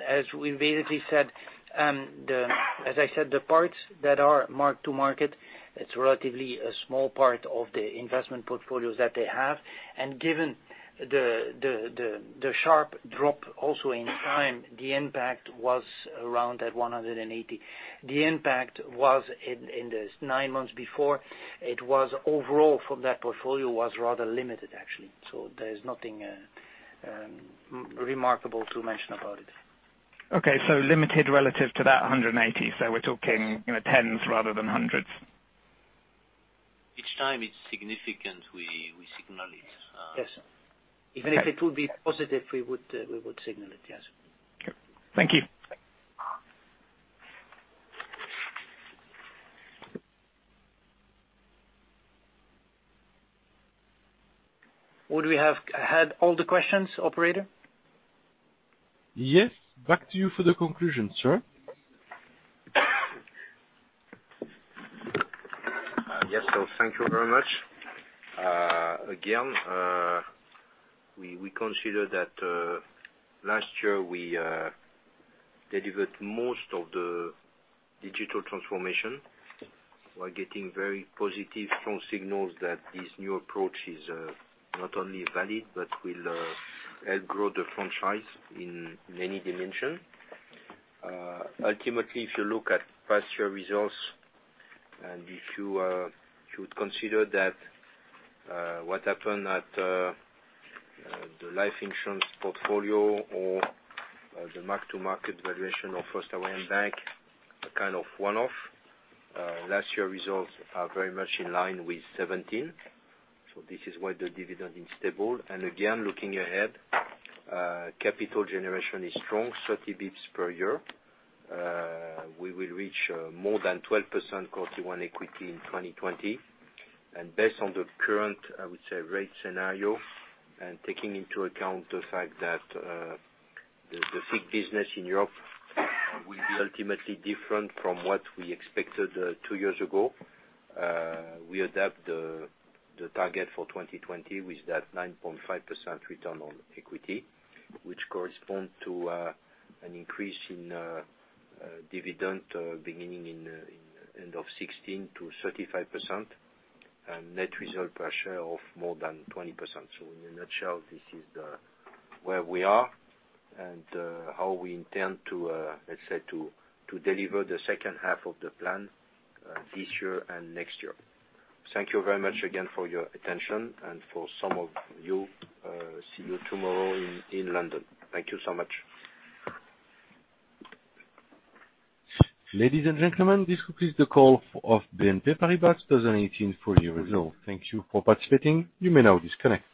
as we basically said, as I said, the parts that are mark-to-market, it's relatively a small part of the investment portfolios that they have. Given the sharp drop also in time, the impact was around 180. The impact was in the nine months before, it was overall from that portfolio rather limited, actually. There's nothing remarkable to mention about it. Limited relative to that 180. We're talking tens rather than hundreds. Each time it's significant, we signal it. Yes. Even if it would be positive, we would signal it, yes. Okay. Thank you. Would we have had all the questions, operator? Yes. Back to you for the conclusion, sir. Yes. Thank you very much. Again, we consider that last year we delivered most of the digital transformation. We're getting very positive, strong signals that this new approach is not only valid but will help grow the franchise in many dimensions. Ultimately, if you look at past year results, if you would consider that what happened at the life insurance portfolio or the mark-to-market valuation of First Hawaiian Bank, a kind of one-off. Last year results are very much in line with 2017. This is why the dividend is stable. Again, looking ahead, capital generation is strong, 30 basis points per year. We will reach more than 12% quarter one equity in 2020. Based on the current, I would say, rate scenario, and taking into account the fact that the FIC business in Europe will be ultimately different from what we expected two years ago, we adapt the target for 2020 with that 9.5% return on equity, which corresponds to an increase in dividend beginning in end of 2016 to 35%, and net result pressure of more than 20%. In a nutshell, this is where we are and how we intend to, let's say, to deliver the second half of the plan this year and next year. Thank you very much again for your attention and for some of you, see you tomorrow in London. Thank you so much. Ladies and gentlemen, this concludes the call of BNP Paribas 2018 full year results. Thank you for participating. You may now disconnect.